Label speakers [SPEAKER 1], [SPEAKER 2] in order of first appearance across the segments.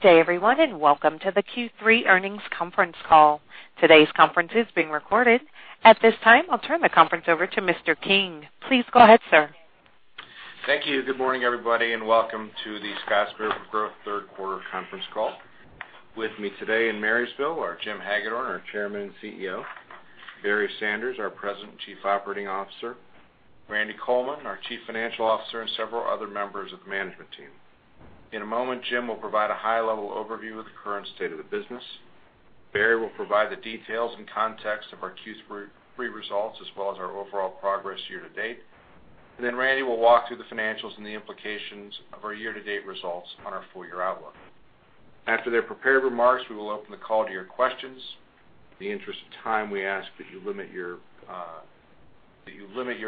[SPEAKER 1] Good day everyone, welcome to the Q3 earnings conference call. Today's conference is being recorded. At this time, I'll turn the conference over to Mr. King. Please go ahead, sir.
[SPEAKER 2] Thank you. Good morning, everybody, welcome to The Scotts Miracle-Gro third quarter conference call. With me today in Marysville are Jim Hagedorn, our Chairman and CEO, Barry Sanders, our President and Chief Operating Officer, Randy Coleman, our Chief Financial Officer, and several other members of the management team. In a moment, Jim will provide a high-level overview of the current state of the business. Barry will provide the details and context of our Q3 results, as well as our overall progress year-to-date. Randy will walk through the financials and the implications of our year-to-date results on our full-year outlook. After their prepared remarks, we will open the call to your questions. In the interest of time, we ask that you limit your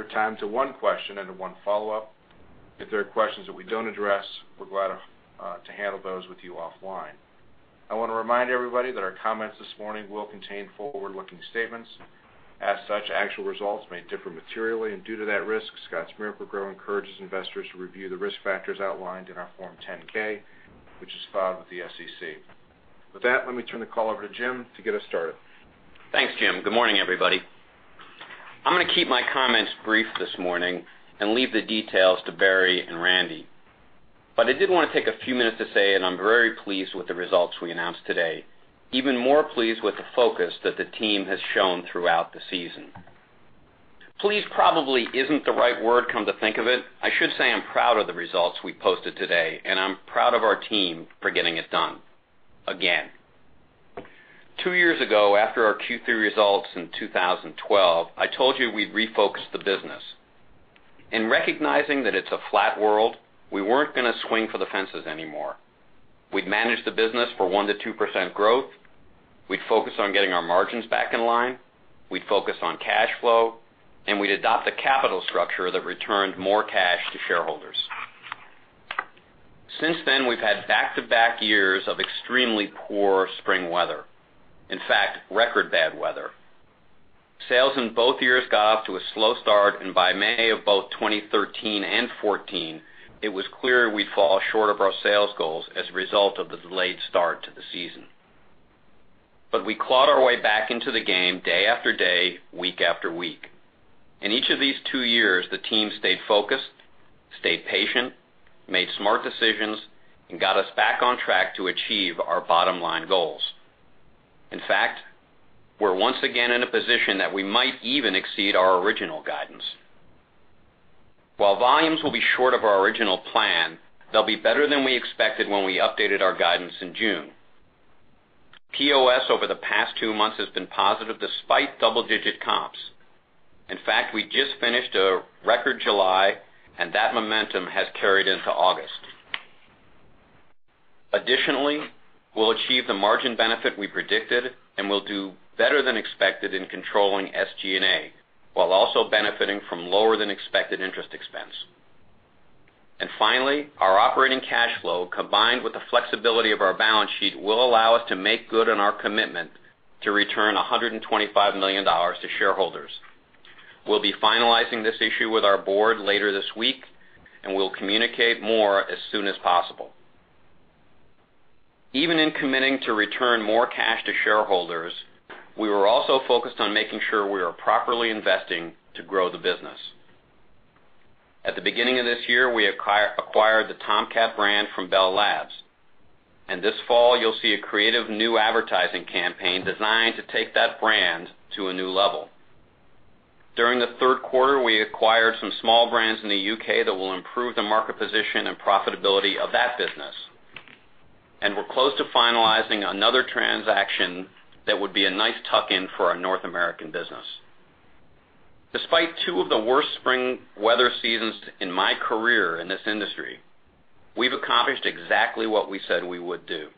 [SPEAKER 2] time to one question and one follow-up. If there are questions that we don't address, we're glad to handle those with you offline. I want to remind everybody that our comments this morning will contain forward-looking statements. As such, actual results may differ materially. Due to that risk, Scotts Miracle-Gro encourages investors to review the risk factors outlined in our Form 10-K, which is filed with the SEC. With that, let me turn the call over to Jim to get us started.
[SPEAKER 3] Thanks, Jim. Good morning, everybody. I'm going to keep my comments brief this morning and leave the details to Barry and Randy. I did want to take a few minutes to say that I'm very pleased with the results we announced today. Even more pleased with the focus that the team has shown throughout the season. Pleased probably isn't the right word, come to think of it. I should say I'm proud of the results we posted today, and I'm proud of our team for getting it done, again. Two years ago, after our Q3 results in 2012, I told you we'd refocused the business. In recognizing that it's a flat world, we weren't going to swing for the fences anymore. We'd manage the business for 1%-2% growth, we'd focus on getting our margins back in line, we'd focus on cash flow, and we'd adopt a capital structure that returned more cash to shareholders. Since then, we've had back-to-back years of extremely poor spring weather. In fact, record bad weather. Sales in both years got off to a slow start, and by May of both 2013 and 2014, it was clear we'd fall short of our sales goals as a result of the delayed start to the season. We clawed our way back into the game day after day, week after week. In each of these two years, the team stayed focused, stayed patient, made smart decisions, and got us back on track to achieve our bottom-line goals. In fact, we're once again in a position that we might even exceed our original guidance. While volumes will be short of our original plan, they'll be better than we expected when we updated our guidance in June. POS over the past two months has been positive despite double-digit comps. In fact, we just finished a record July, and that momentum has carried into August. Additionally, we'll achieve the margin benefit we predicted, and we'll do better than expected in controlling SG&A, while also benefiting from lower than expected interest expense. Finally, our operating cash flow, combined with the flexibility of our balance sheet, will allow us to make good on our commitment to return $125 million to shareholders. We'll be finalizing this issue with our board later this week, and we'll communicate more as soon as possible. Even in committing to return more cash to shareholders, we were also focused on making sure we are properly investing to grow the business. At the beginning of this year, we acquired the Tomcat brand from Bell Labs. This fall, you'll see a creative new advertising campaign designed to take that brand to a new level. During the third quarter, we acquired some small brands in the U.K. that will improve the market position and profitability of that business. We're close to finalizing another transaction that would be a nice tuck-in for our North American business. Despite two of the worst spring weather seasons in my career in this industry, we've accomplished exactly what we said we would do.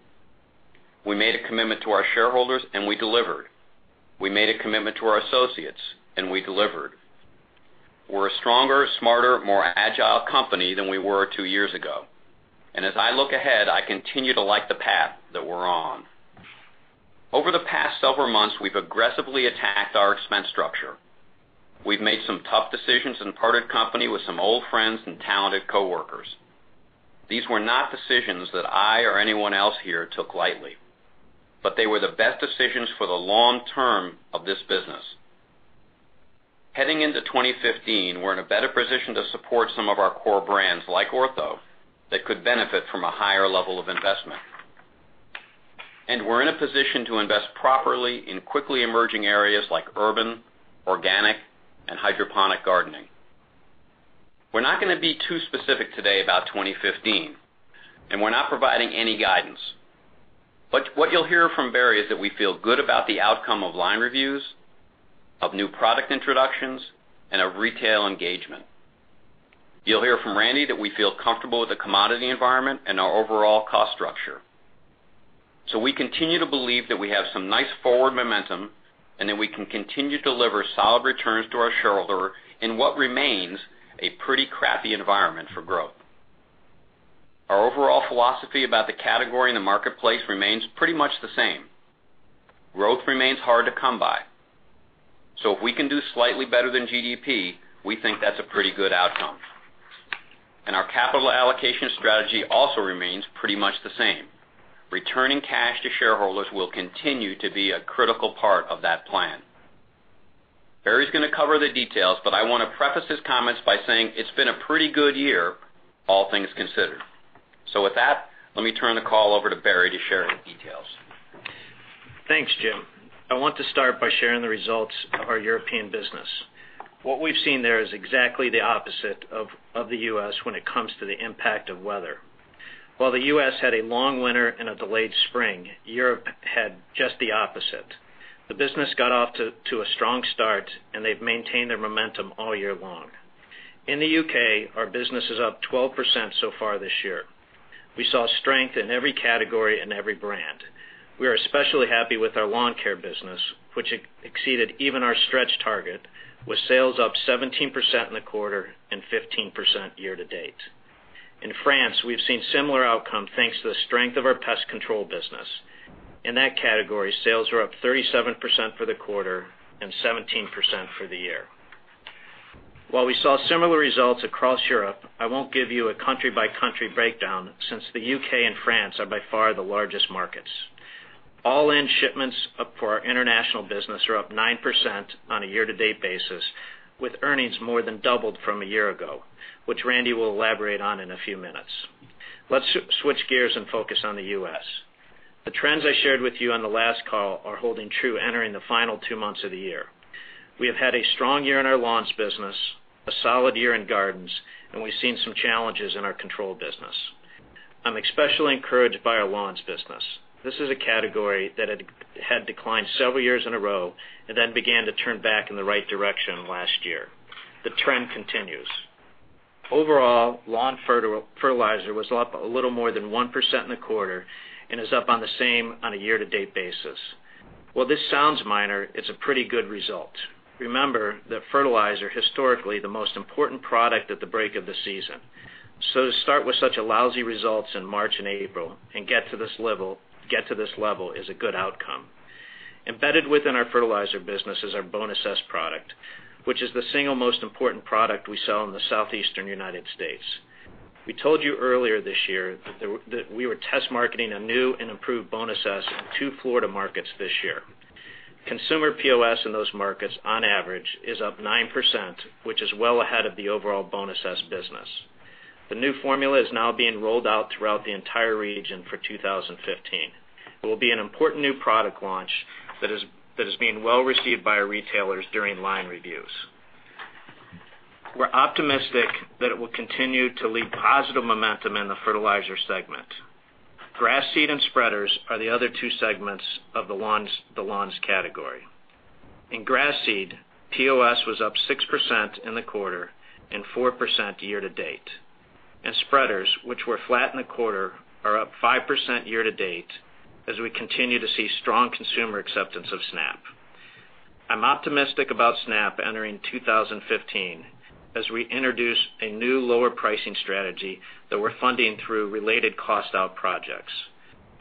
[SPEAKER 3] We made a commitment to our shareholders, and we delivered. We made a commitment to our associates, and we delivered. We're a stronger, smarter, more agile company than we were two years ago. As I look ahead, I continue to like the path that we're on. Over the past several months, we've aggressively attacked our expense structure. We've made some tough decisions and parted company with some old friends and talented coworkers. These were not decisions that I or anyone else here took lightly. They were the best decisions for the long term of this business. Heading into 2015, we're in a better position to support some of our core brands, like Ortho, that could benefit from a higher level of investment. We're in a position to invest properly in quickly emerging areas like urban, organic, and hydroponic gardening. We're not going to be too specific today about 2015, and we're not providing any guidance. What you'll hear from Barry is that we feel good about the outcome of line reviews, of new product introductions, and of retail engagement. You'll hear from Randy Coleman that we feel comfortable with the commodity environment and our overall cost structure. We continue to believe that we have some nice forward momentum and that we can continue to deliver solid returns to our shareholder in what remains a pretty crappy environment for growth. Our overall philosophy about the category in the marketplace remains pretty much the same. Growth remains hard to come by. If we can do slightly better than GDP, we think that's a pretty good outcome. Our capital allocation strategy also remains pretty much the same. Returning cash to shareholders will continue to be a critical part of that plan. Barry Sanders is going to cover the details, but I want to preface his comments by saying it's been a pretty good year, all things considered. With that, let me turn the call over to Barry Sanders to share the details.
[SPEAKER 4] Thanks, Jim Hagedorn. I want to start by sharing the results of our European business. What we've seen there is exactly the opposite of the U.S. when it comes to the impact of weather. While the U.S. had a long winter and a delayed spring, Europe had just the opposite. The business got off to a strong start, and they've maintained their momentum all year long. In the U.K., our business is up 12% so far this year. We saw strength in every category and every brand. We are especially happy with our lawn care business, which exceeded even our stretch target, with sales up 17% in the quarter and 15% year-to-date. In France, we've seen similar outcome thanks to the strength of our pest control business. In that category, sales are up 37% for the quarter and 17% for the year. While we saw similar results across Europe, I won't give you a country-by-country breakdown since the U.K. and France are by far the largest markets. All-in shipments for our international business are up 9% on a year-to-date basis, with earnings more than doubled from a year ago, which Randy Coleman will elaborate on in a few minutes. Let's switch gears and focus on the U.S. The trends I shared with you on the last call are holding true entering the final two months of the year. We have had a strong year in our lawns business, a solid year in gardens, and we've seen some challenges in our control business. I'm especially encouraged by our lawns business. This is a category that had declined several years in a row and then began to turn back in the right direction last year. The trend continues. Overall, lawn fertilizer was up a little more than 1% in the quarter and is up on the same on a year-to-date basis. While this sounds minor, it's a pretty good result. Remember that fertilizer historically the most important product at the break of the season. To start with such lousy results in March and April and get to this level is a good outcome. Embedded within our fertilizer business is our Bonus S product, which is the single most important product we sell in the southeastern U.S. We told you earlier this year that we were test marketing a new and improved Bonus S in two Florida markets this year. Consumer POS in those markets, on average, is up 9%, which is well ahead of the overall Bonus S business. The new formula is now being rolled out throughout the entire region for 2015. It will be an important new product launch that is being well received by our retailers during line reviews. We're optimistic that it will continue to lead positive momentum in the fertilizer segment. Grass seed and spreaders are the other two segments of the lawns category. In grass seed, POS was up 6% in the quarter and 4% year-to-date. Spreaders, which were flat in the quarter, are up 5% year-to-date as we continue to see strong consumer acceptance of Snap. I'm optimistic about Snap entering 2015 as we introduce a new lower pricing strategy that we're funding through related cost-out projects.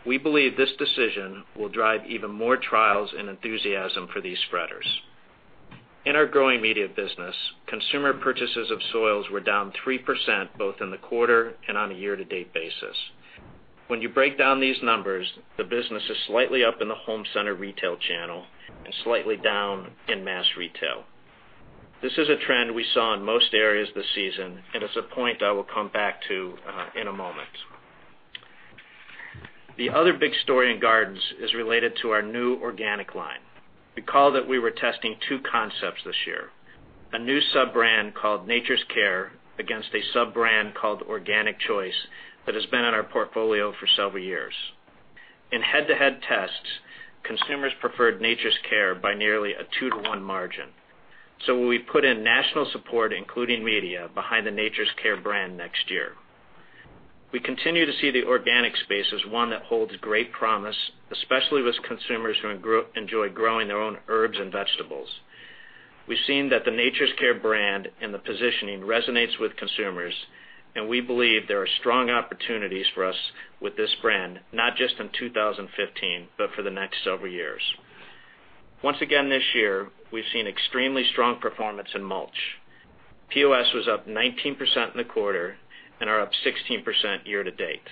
[SPEAKER 4] We believe this decision will drive even more trials and enthusiasm for these spreaders. In our growing media business, consumer purchases of soils were down 3%, both in the quarter and on a year-to-date basis. When you break down these numbers, the business is slightly up in the home center retail channel and slightly down in mass retail. This is a trend we saw in most areas this season, and it's a point I will come back to in a moment. The other big story in gardens is related to our new organic line. Recall that we were testing two concepts this year, a new sub-brand called Nature's Care against a sub-brand called Organic Choice that has been in our portfolio for several years. In head-to-head tests, consumers preferred Nature's Care by nearly a two-to-one margin. We put in national support, including media, behind the Nature's Care brand next year. We continue to see the organic space as one that holds great promise, especially with consumers who enjoy growing their own herbs and vegetables. We've seen that the Nature's Care brand and the positioning resonates with consumers, and we believe there are strong opportunities for us with this brand, not just in 2015, but for the next several years. Once again this year, we've seen extremely strong performance in mulch. POS was up 19% in the quarter and are up 16% year-to-date.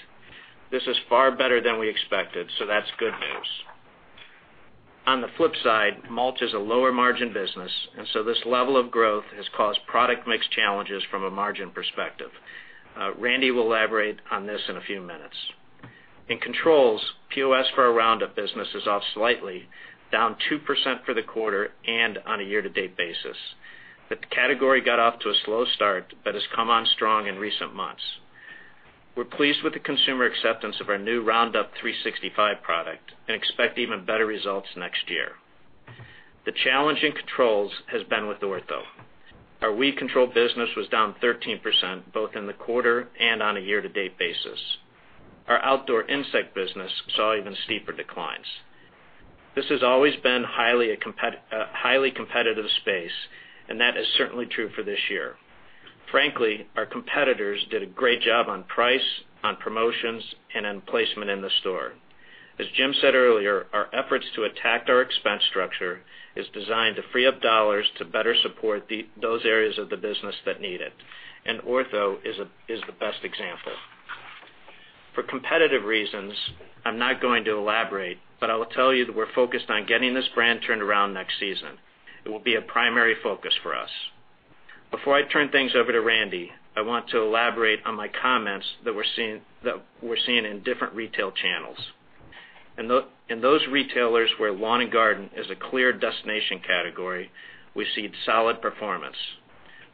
[SPEAKER 4] This is far better than we expected, so that's good news. On the flip side, mulch is a lower margin business, and so this level of growth has caused product mix challenges from a margin perspective. Randy will elaborate on this in a few minutes. In controls, POS for our Roundup business is off slightly, down 2% for the quarter and on a year-to-date basis. The category got off to a slow start but has come on strong in recent months. We're pleased with the consumer acceptance of our new Roundup 365 product and expect even better results next year. The challenge in controls has been with Ortho. Our weed control business was down 13%, both in the quarter and on a year-to-date basis. Our outdoor insect business saw even steeper declines. This has always been a highly competitive space, and that is certainly true for this year. Frankly, our competitors did a great job on price, on promotions, and on placement in the store. As Jim said earlier, our efforts to attack our expense structure is designed to free up dollars to better support those areas of the business that need it, and Ortho is the best example. For competitive reasons, I'm not going to elaborate, but I will tell you that we're focused on getting this brand turned around next season. It will be a primary focus for us. Before I turn things over to Randy Coleman, I want to elaborate on my comments that we're seeing in different retail channels. In those retailers where lawn and garden is a clear destination category, we've seen solid performance.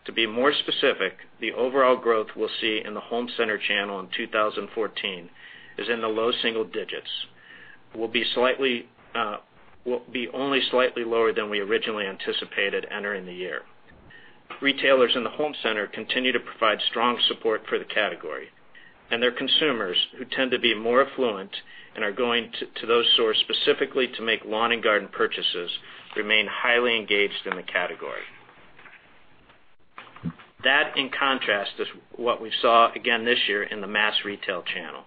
[SPEAKER 4] To be more specific, the overall growth we'll see in the home center channel in 2014 is in the low single digits. We'll be only slightly lower than we originally anticipated entering the year. Retailers in the home center continue to provide strong support for the category, and their consumers, who tend to be more affluent and are going to those stores specifically to make lawn and garden purchases, remain highly engaged in the category. That, in contrast, is what we saw again this year in the mass retail channel.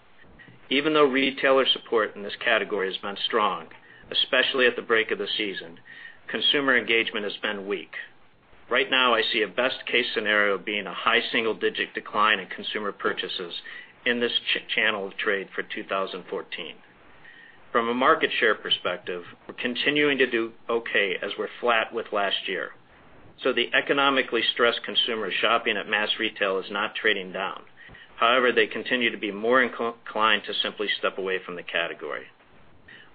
[SPEAKER 4] Even though retailer support in this category has been strong, especially at the break of the season, consumer engagement has been weak. Right now, I see a best case scenario being a high single-digit decline in consumer purchases in this channel of trade for 2014. From a market share perspective, we're continuing to do okay as we're flat with last year. The economically stressed consumer shopping at mass retail is not trading down. However, they continue to be more inclined to simply step away from the category.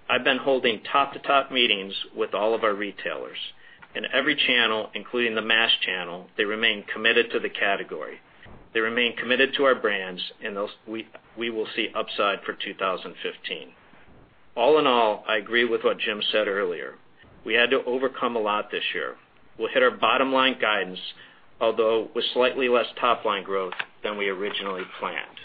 [SPEAKER 4] I've been holding top-to-top meetings with all of our retailers. In every channel, including the mass channel, they remain committed to the category. They remain committed to our brands and we will see upside for 2015. All in all, I agree with what Jim Hagedorn said earlier. We had to overcome a lot this year. We'll hit our bottom-line guidance, although with slightly less top-line growth than we originally planned.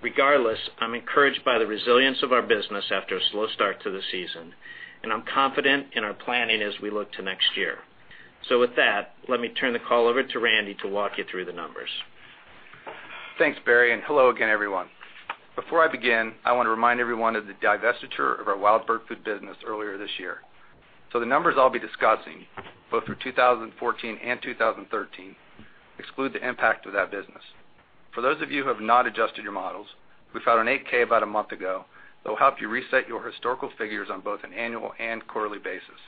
[SPEAKER 4] Regardless, I'm encouraged by the resilience of our business after a slow start to the season, and I'm confident in our planning as we look to next year. With that, let me turn the call over to Randy Coleman to walk you through the numbers.
[SPEAKER 5] Thanks, Barry Sanders, and hello again, everyone. Before I begin, I want to remind everyone of the divestiture of our wild bird food business earlier this year. The numbers I'll be discussing, both for 2014 and 2013, exclude the impact of that business. For those of you who have not adjusted your models, we filed an 8-K about a month ago that will help you reset your historical figures on both an annual and quarterly basis.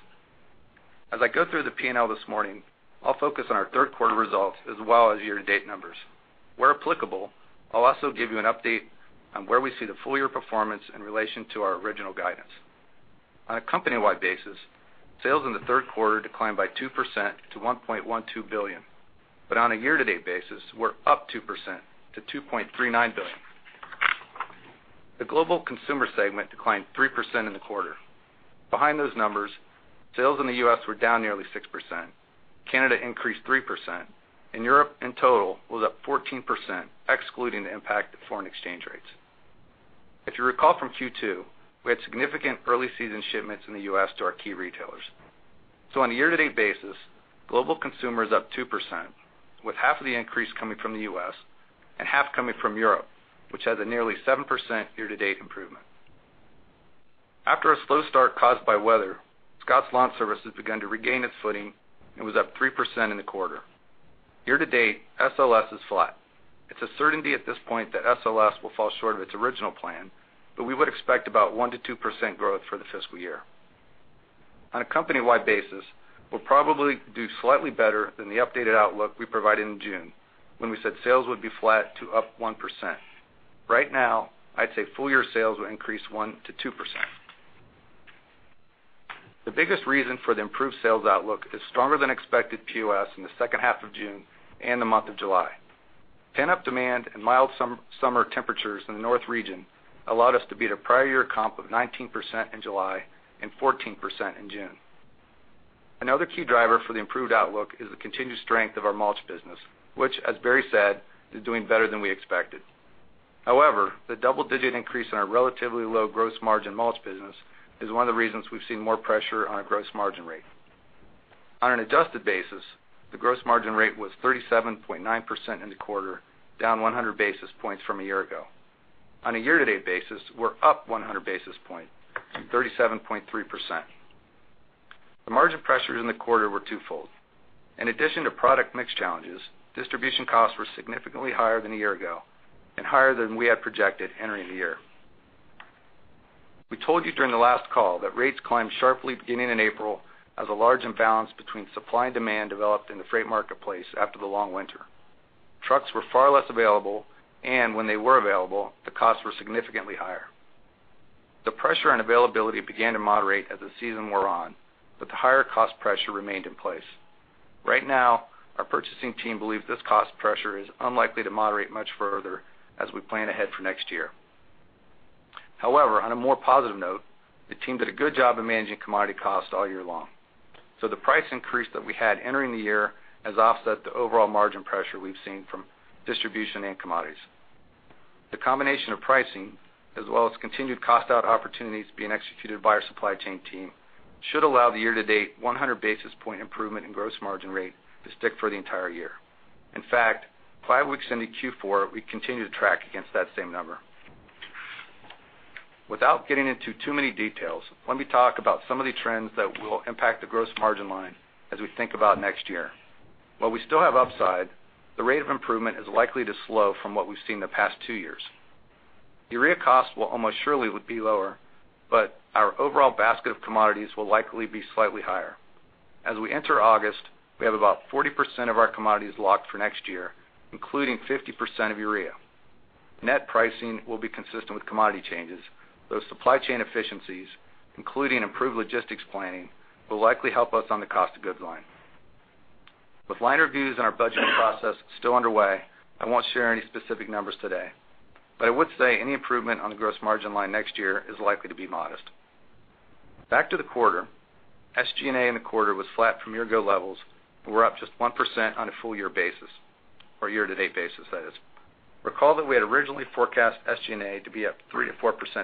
[SPEAKER 5] As I go through the P&L this morning, I'll focus on our third quarter results as well as year-to-date numbers. Where applicable, I'll also give you an update on where we see the full-year performance in relation to our original guidance. On a company-wide basis, sales in the third quarter declined by 2% to $1.12 billion. On a year-to-date basis, we're up 2% to $2.39 billion. The global consumer segment declined 3% in the quarter. Behind those numbers, sales in the U.S. were down nearly 6%. Canada increased 3%, and Europe in total was up 14%, excluding the impact of foreign exchange rates. If you recall from Q2, we had significant early-season shipments in the U.S. to our key retailers. On a year-to-date basis, global consumer is up 2%, with half of the increase coming from the U.S. and half coming from Europe, which has a nearly 7% year-to-date improvement. After a slow start caused by weather, Scotts LawnService has begun to regain its footing and was up 3% in the quarter. Year-to-date, SLS is flat. It's a certainty at this point that SLS will fall short of its original plan, but we would expect about 1%-2% growth for the fiscal year. On a company-wide basis, we'll probably do slightly better than the updated outlook we provided in June when we said sales would be flat to up 1%. Right now, I'd say full-year sales will increase 1%-2%. The biggest reason for the improved sales outlook is stronger than expected POS in the second half of June and the month of July. Pent-up demand and mild summer temperatures in the north region allowed us to beat a prior year comp of 19% in July and 14% in June. Another key driver for the improved outlook is the continued strength of our mulch business, which, as Barry said, is doing better than we expected. However, the double-digit increase in our relatively low gross margin mulch business is one of the reasons we've seen more pressure on our gross margin rate. On an adjusted basis, the gross margin rate was 37.9% in the quarter, down 100 basis points from a year ago. On a year-to-date basis, we're up 100 basis point to 37.3%. The margin pressures in the quarter were twofold. In addition to product mix challenges, distribution costs were significantly higher than a year ago and higher than we had projected entering the year. We told you during the last call that rates climbed sharply beginning in April as a large imbalance between supply and demand developed in the freight marketplace after the long winter. Trucks were far less available, and when they were available, the costs were significantly higher. The pressure on availability began to moderate as the season wore on, but the higher cost pressure remained in place. Right now, our purchasing team believes this cost pressure is unlikely to moderate much further as we plan ahead for next year. On a more positive note, the team did a good job of managing commodity costs all year long. The price increase that we had entering the year has offset the overall margin pressure we've seen from distribution and commodities. The combination of pricing, as well as continued cost out opportunities being executed by our supply chain team, should allow the year-to-date 100 basis point improvement in gross margin rate to stick for the entire year. In fact, five weeks into Q4, we continue to track against that same number. Without getting into too many details, let me talk about some of the trends that will impact the gross margin line as we think about next year. While we still have upside, the rate of improvement is likely to slow from what we've seen the past two years. Urea costs will almost surely be lower, but our overall basket of commodities will likely be slightly higher. As we enter August, we have about 40% of our commodities locked for next year, including 50% of urea. Net pricing will be consistent with commodity changes, those supply chain efficiencies, including improved logistics planning, will likely help us on the cost of goods line. With line reviews and our budgeting process still underway, I won't share any specific numbers today. I would say any improvement on the gross margin line next year is likely to be modest. Back to the quarter, SG&A in the quarter was flat from year-ago levels, and we're up just 1% on a full year basis or year-to-date basis, that is. Recall that we had originally forecast SG&A to be up 3%-4%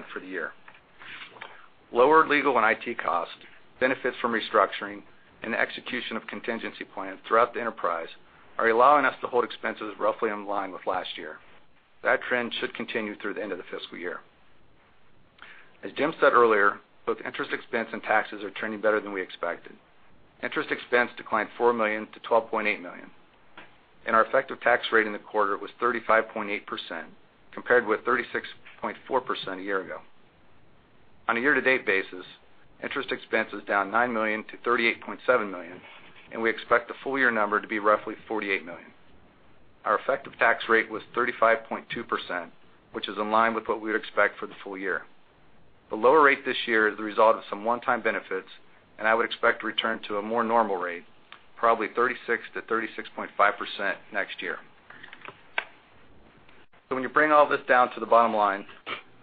[SPEAKER 5] for the year. Lower legal and IT costs, benefits from restructuring, and execution of contingency plans throughout the enterprise are allowing us to hold expenses roughly in line with last year. That trend should continue through the end of the fiscal year. As Jim said earlier, both interest expense and taxes are trending better than we expected. Interest expense declined $4 million to $12.8 million, and our effective tax rate in the quarter was 35.8%, compared with 36.4% a year ago. On a year-to-date basis, interest expense is down $9 million to $38.7 million, and we expect the full year number to be roughly $48 million. Our effective tax rate was 35.2%, which is in line with what we would expect for the full year. The lower rate this year is the result of some one-time benefits, and I would expect to return to a more normal rate, probably 36%-36.5% next year. When you bring all this down to the bottom line,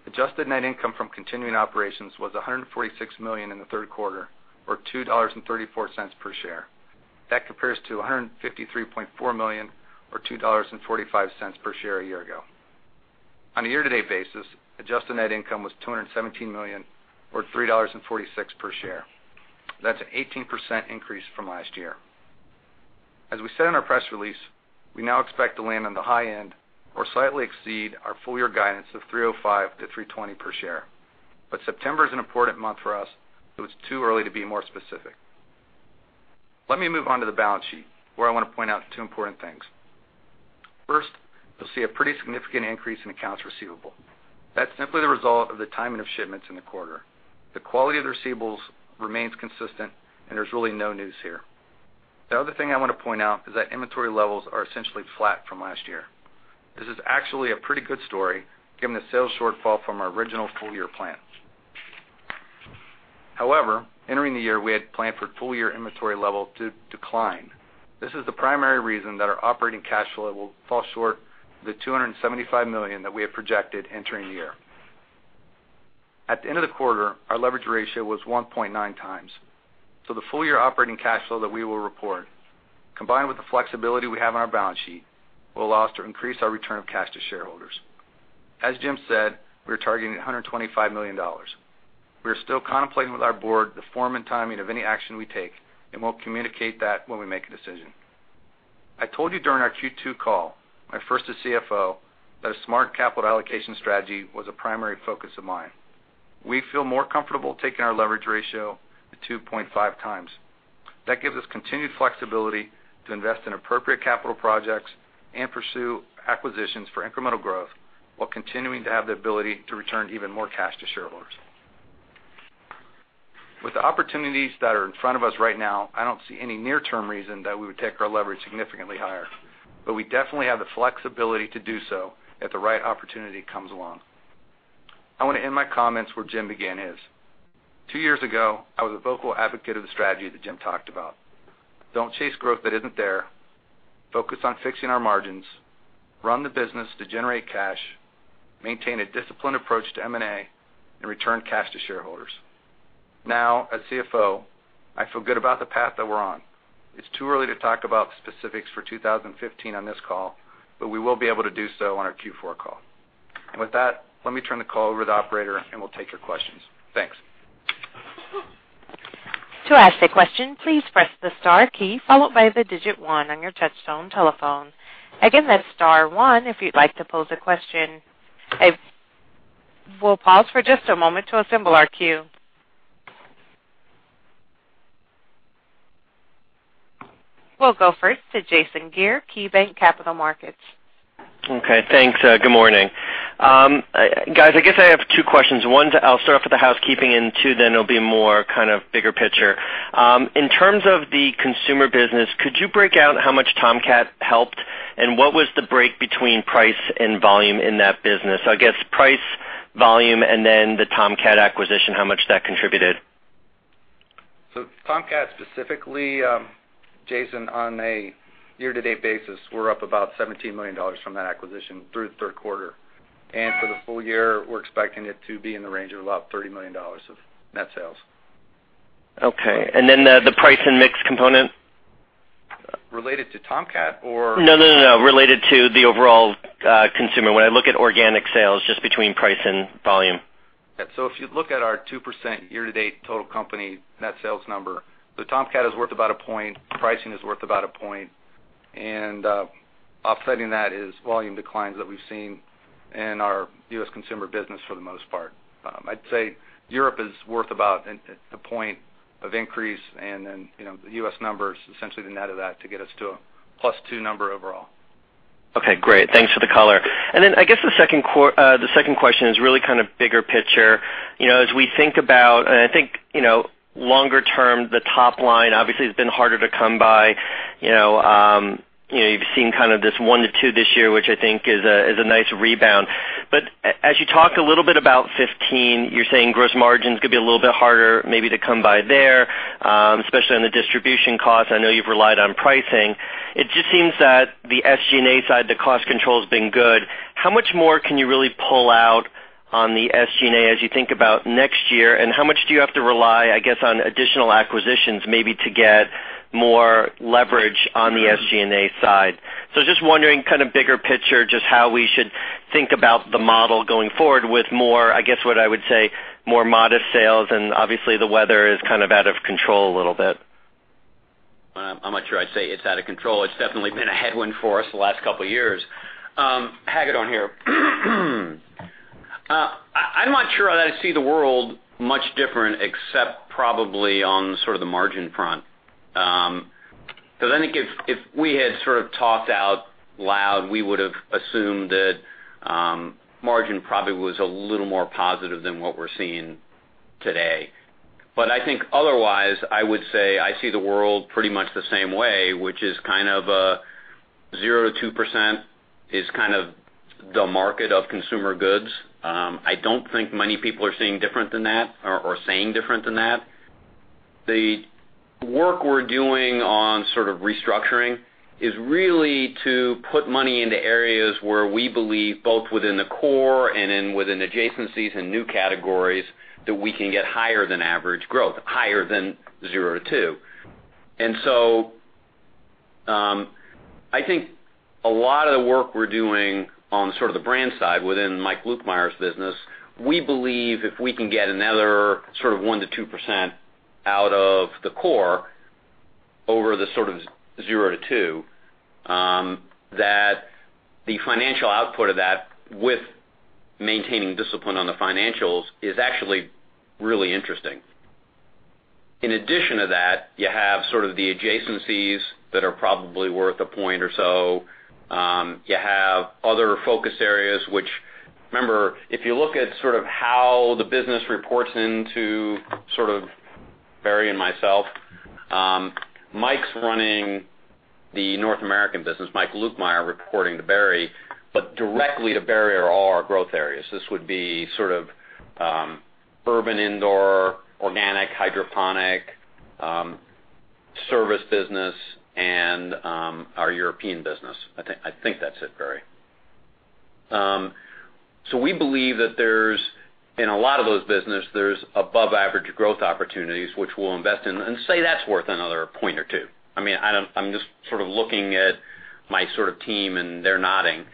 [SPEAKER 5] adjusted net income from continuing operations was $146 million in the third quarter, or $2.34 per share. That compares to $153.4 million or $2.45 per share a year ago. On a year-to-date basis, adjusted net income was $217 million or $3.46 per share. That's an 18% increase from last year. As we said in our press release, we now expect to land on the high end or slightly exceed our full year guidance of $3.05-$3.20 per share. September is an important month for us, so it's too early to be more specific. Let me move on to the balance sheet, where I want to point out two important things. First, you'll see a pretty significant increase in accounts receivable. That's simply the result of the timing of shipments in the quarter. The quality of the receivables remains consistent, and there's really no news here. The other thing I want to point out is that inventory levels are essentially flat from last year. This is actually a pretty good story given the sales shortfall from our original full-year plan. However, entering the year, we had planned for full-year inventory level to decline. This is the primary reason that our operating cash flow will fall short of the $275 million that we had projected entering the year. At the end of the quarter, our leverage ratio was 1.9 times. The full-year operating cash flow that we will report, combined with the flexibility we have on our balance sheet, will allow us to increase our return of cash to shareholders. As Jim said, we are targeting $125 million. We are still contemplating with our board the form and timing of any action we take, and we'll communicate that when we make a decision. I told you during our Q2 call, my first as CFO, that a smart capital allocation strategy was a primary focus of mine. We feel more comfortable taking our leverage ratio to 2.5 times. That gives us continued flexibility to invest in appropriate capital projects and pursue acquisitions for incremental growth while continuing to have the ability to return even more cash to shareholders. With the opportunities that are in front of us right now, I don't see any near-term reason that we would take our leverage significantly higher, but we definitely have the flexibility to do so if the right opportunity comes along. I want to end my comments where Jim began his. Two years ago, I was a vocal advocate of the strategy that Jim talked about. Don't chase growth that isn't there. Focus on fixing our margins. Run the business to generate cash, maintain a disciplined approach to M&A, and return cash to shareholders. Now, as CFO, I feel good about the path that we're on. It's too early to talk about specifics for 2015 on this call, but we will be able to do so on our Q4 call. With that, let me turn the call over to the operator, and we'll take your questions. Thanks.
[SPEAKER 1] To ask a question, please press the star key followed by the digit one on your touchtone telephone. Again, that's star one if you'd like to pose a question. I will pause for just a moment to assemble our queue. We'll go first to Jason Gere, KeyBanc Capital Markets.
[SPEAKER 6] Okay, thanks. Good morning. Guys, I guess I have two questions. One, I'll start off with the housekeeping, and two, then it'll be more kind of bigger picture. In terms of the consumer business, could you break out how much Tomcat helped, and what was the break between price and volume in that business? I guess price, volume, and then the Tomcat acquisition, how much that contributed.
[SPEAKER 5] Tomcat, specifically, Jason, on a year-to-date basis, we're up about $17 million from that acquisition through the third quarter. For the full year, we're expecting it to be in the range of about $30 million of net sales.
[SPEAKER 6] Okay. Then the price and mix component?
[SPEAKER 5] Related to Tomcat or?
[SPEAKER 6] No. Related to the overall consumer when I look at organic sales just between price and volume.
[SPEAKER 5] If you look at our 2% year-to-date total company net sales number, the Tomcat is worth about a point, pricing is worth about a point, offsetting that is volume declines that we've seen in our U.S. consumer business for the most part. I'd say Europe is worth about a point of increase, the U.S. numbers, essentially the net of that to get us to a +2 number overall.
[SPEAKER 6] Okay, great. Thanks for the color. I guess the second question is really kind of bigger picture. As we think about, I think, longer term, the top line obviously has been harder to come by. You've seen kind of this 1%-2% this year, which I think is a nice rebound. But as you talk a little bit about 2015, you're saying gross margins could be a little bit harder maybe to come by there, especially on the distribution cost. I know you've relied on pricing. It just seems that the SG&A side, the cost control has been good. How much more can you really pull out on the SG&A as you think about next year? How much do you have to rely, I guess, on additional acquisitions, maybe to get more leverage on the SG&A side? Just wondering, kind of bigger picture, just how we should think about the model going forward with more, I guess what I would say, more modest sales and obviously the weather is out of control a little bit.
[SPEAKER 3] I'm not sure I'd say it's out of control. It's definitely been a headwind for us the last couple of years. Hagedorn here. I'm not sure that I see the world much different except probably on sort of the margin front. I think if we had sort of talked out loud, we would have assumed that margin probably was a little more positive than what we're seeing today. I think otherwise, I would say I see the world pretty much the same way, which is kind of a 0%-2% is kind of the market of consumer goods. I don't think many people are seeing different than that or saying different than that. The work we're doing on sort of restructuring is really to put money into areas where we believe both within the core and in within adjacencies and new categories, that we can get higher than average growth, higher than 0%-2%. I think a lot of the work we're doing on sort of the brand side within Mike Lukemire's business, we believe if we can get another sort of 1%-2% out of the core over the sort of 0%-2%, that the financial output of that with maintaining discipline on the financials is actually really interesting. In addition to that, you have sort of the adjacencies that are probably worth a point or so. You have other focus areas which, remember, if you look at sort of how the business reports into sort of Barry and myself, Mike is running the North American business, Mike Lukemire reporting to Barry, but directly to Barry are all our growth areas. This would be sort of urban indoor, organic, hydroponic, service business, and our European business. I think that's it, Barry. We believe that there's, in a lot of those business, there's above average growth opportunities which we'll invest in and say that's worth another point or two. I'm just sort of looking at my sort of team and they're nodding.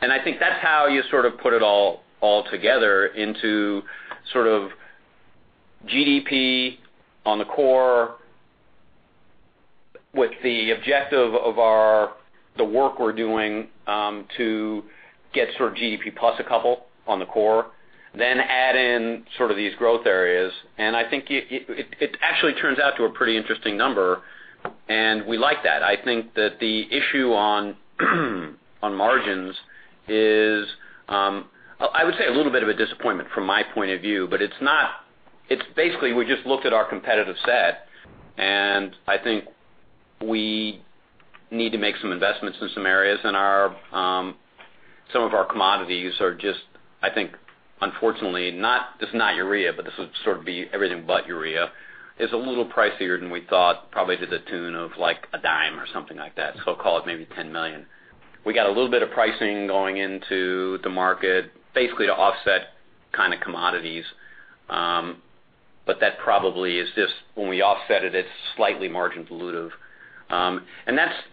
[SPEAKER 3] I think that's how you sort of put it all together into sort of GDP on the core with the objective of the work we're doing to get sort of GDP plus a couple on the core, then add in sort of these growth areas. I think it actually turns out to a pretty interesting number, and we like that. I think that the issue on margins is, I would say a little bit of a disappointment from my point of view, but it's basically, we just looked at our competitive set and I think we need to make some investments in some areas and some of our commodities are just, I think, unfortunately, this is not urea, but this would sort of be everything but urea, is a little pricier than we thought, probably to the tune of like $0.10 or something like that. Call it maybe $10 million. We got a little bit of pricing going into the market, basically to offset kind of commodities. That probably is just when we offset it's slightly margin dilutive.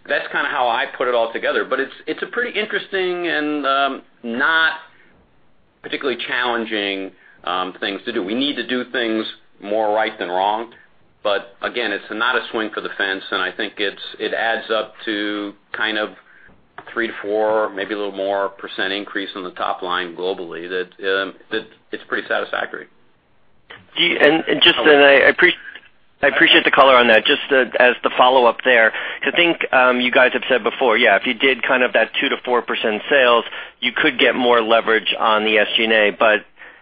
[SPEAKER 3] That's how I put it all together, but it's a pretty interesting and not particularly challenging things to do. We need to do things more right than wrong. Again, it's not a swing for the fence, and I think it adds up to kind of 3%-4%, maybe a little more percent increase on the top line globally that it's pretty satisfactory.
[SPEAKER 6] Just I appreciate the color on that. Just as the follow-up there, because I think you guys have said before, if you did kind of that 2%-4% sales, you could get more leverage on the SG&A.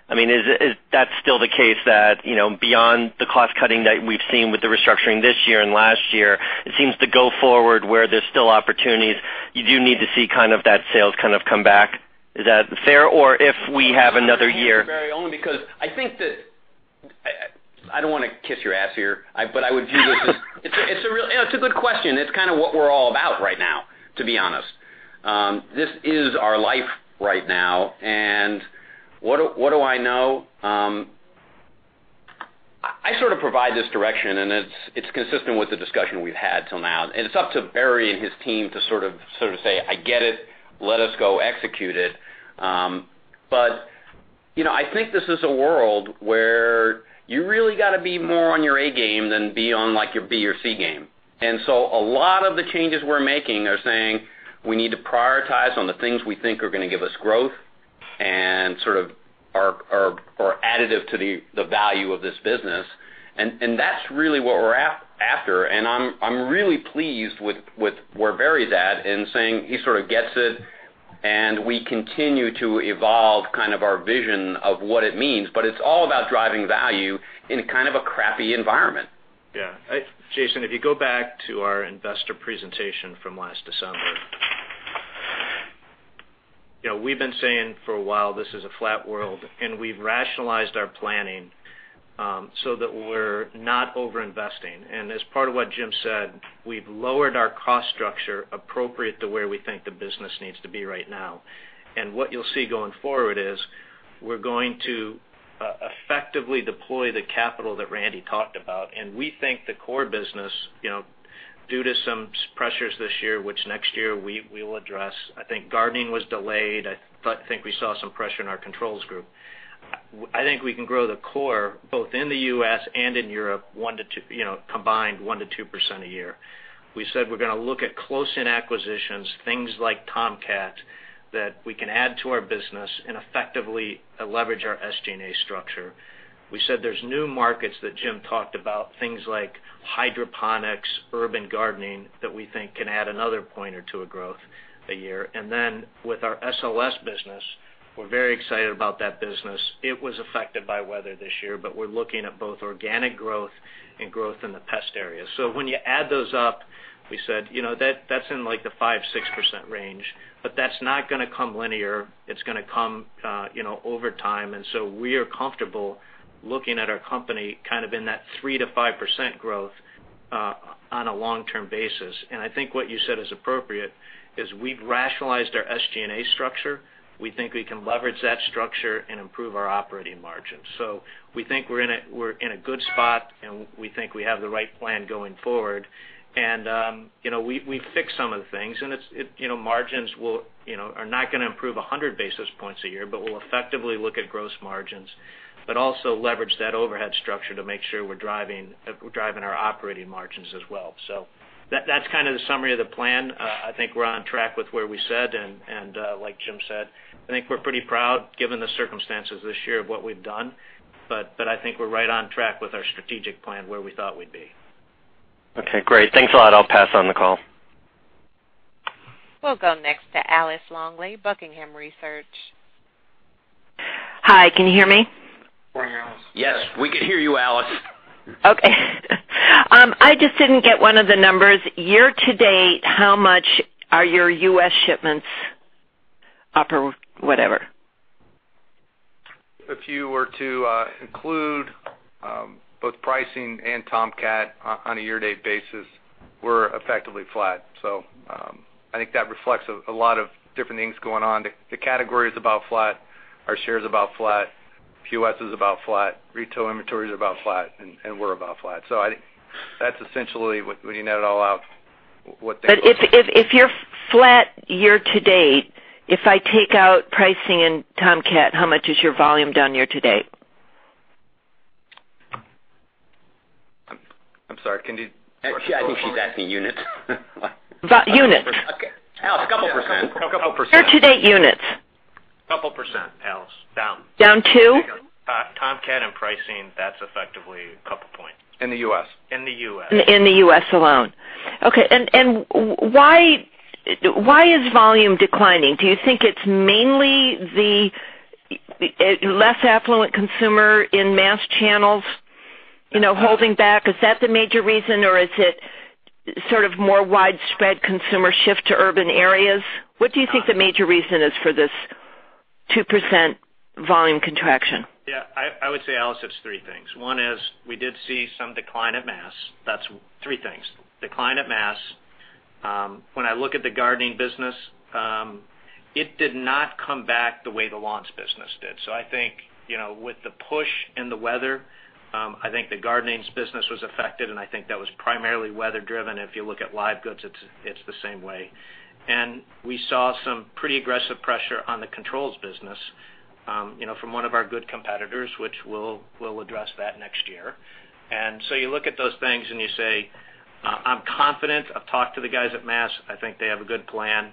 [SPEAKER 6] Is that still the case that, beyond the cost cutting that we've seen with the restructuring this year and last year, it seems to go forward where there's still opportunities, you do need to see kind of that sales kind of come back. Is that fair, or if we have another year-
[SPEAKER 3] Barry, only because I think I don't want to kiss your ass here, I would view this as it's a good question. It's kind of what we're all about right now, to be honest. This is our life right now and what do I know? I sort of provide this direction, it's consistent with the discussion we've had till now, it's up to Barry and his team to sort of say, "I get it. Let us go execute it." I think this is a world where you really got to be more on your A game than be on like your B or C game. A lot of the changes we're making are saying we need to prioritize on the things we think are going to give us growth and sort of are additive to the value of this business. That's really what we're after. I'm really pleased with where Barry's at in saying he sort of gets it, and we continue to evolve kind of our vision of what it means. It's all about driving value in kind of a crappy environment.
[SPEAKER 4] Yeah. Jason, if you go back to our investor presentation from last December, we've been saying for a while, this is a flat world, we've rationalized our planning so that we're not over-investing. As part of what Jim said, we've lowered our cost structure appropriate to where we think the business needs to be right now. What you'll see going forward is we're going to effectively deploy the capital that Randy talked about. We think the core business, due to some pressures this year, which next year we'll address. I think gardening was delayed. I think we saw some pressure in our controls group. I think we can grow the core both in the U.S. and in Europe, combined 1%-2% a year. We said we're going to look at close-in acquisitions, things like Tomcat, that we can add to our business and effectively leverage our SG&A structure. We said there's new markets that Jim talked about, things like hydroponics, urban gardening, that we think can add another pointer to a growth a year. With our SLS business, we're very excited about that business. It was affected by weather this year, we're looking at both organic growth and growth in the pest area. When you add those up, we said that's in like the 5%-6% range, that's not going to come linear. It's going to come over time. We are comfortable looking at our company kind of in that 3%-5% growth on a long-term basis. I think what you said is appropriate is we've rationalized our SG&A structure. We think we can leverage that structure and improve our operating margins. We think we're in a good spot, we think we have the right plan going forward. We've fixed some of the things, margins are not going to improve 100 basis points a year, we'll effectively look at gross margins, also leverage that overhead structure to make sure we're driving our operating margins as well. That's kind of the summary of the plan. I think we're on track with where we said, like Jim said, I think we're pretty proud, given the circumstances this year of what we've done. I think we're right on track with our strategic plan where we thought we'd be.
[SPEAKER 6] Okay, great. Thanks a lot. I'll pass on the call.
[SPEAKER 1] We'll go next to Alice Longley, Buckingham Research.
[SPEAKER 7] Hi, can you hear me?
[SPEAKER 4] We can, Alice.
[SPEAKER 3] Yes, we can hear you, Alice.
[SPEAKER 7] Okay. I just didn't get one of the numbers. Year to date, how much are your U.S. shipments up or whatever?
[SPEAKER 4] If you were to include both pricing and Tomcat on a year-to-date basis, we're effectively flat. I think that reflects a lot of different things going on. The category is about flat, our share is about flat, QS is about flat, retail inventory is about flat, and we're about flat. That's essentially when you net it all out.
[SPEAKER 7] If you're flat year-to-date, if I take out pricing and Tomcat, how much is your volume down year-to-date?
[SPEAKER 4] I'm sorry.
[SPEAKER 3] Actually, I think she's asking units.
[SPEAKER 7] About units.
[SPEAKER 3] Alice, a couple %.
[SPEAKER 4] A couple %.
[SPEAKER 7] Year to date units.
[SPEAKER 3] Couple percent, Alice, down.
[SPEAKER 7] Down two?
[SPEAKER 3] Tomcat and pricing, that's effectively a couple points.
[SPEAKER 4] In the U.S.
[SPEAKER 3] In the U.S.
[SPEAKER 7] In the U.S. alone. Okay. Why is volume declining? Do you think it's mainly the less affluent consumer in Mass channels holding back? Is that the major reason, or is it sort of more widespread consumer shift to urban areas? What do you think the major reason is for this 2% volume contraction?
[SPEAKER 4] Yeah, I would say, Alice, it's three things. One is we did see some decline at Mass. That's three things. Decline at Mass. When I look at the gardening business, it did not come back the way the lawn business did. I think, with the push and the weather, I think the gardening business was affected, and I think that was primarily weather driven. If you look at live goods, it's the same way. We saw some pretty aggressive pressure on the controls business from one of our good competitors, which we'll address that next year. You look at those things and you say, "I'm confident." I've talked to the guys at Mass. I think they have a good plan.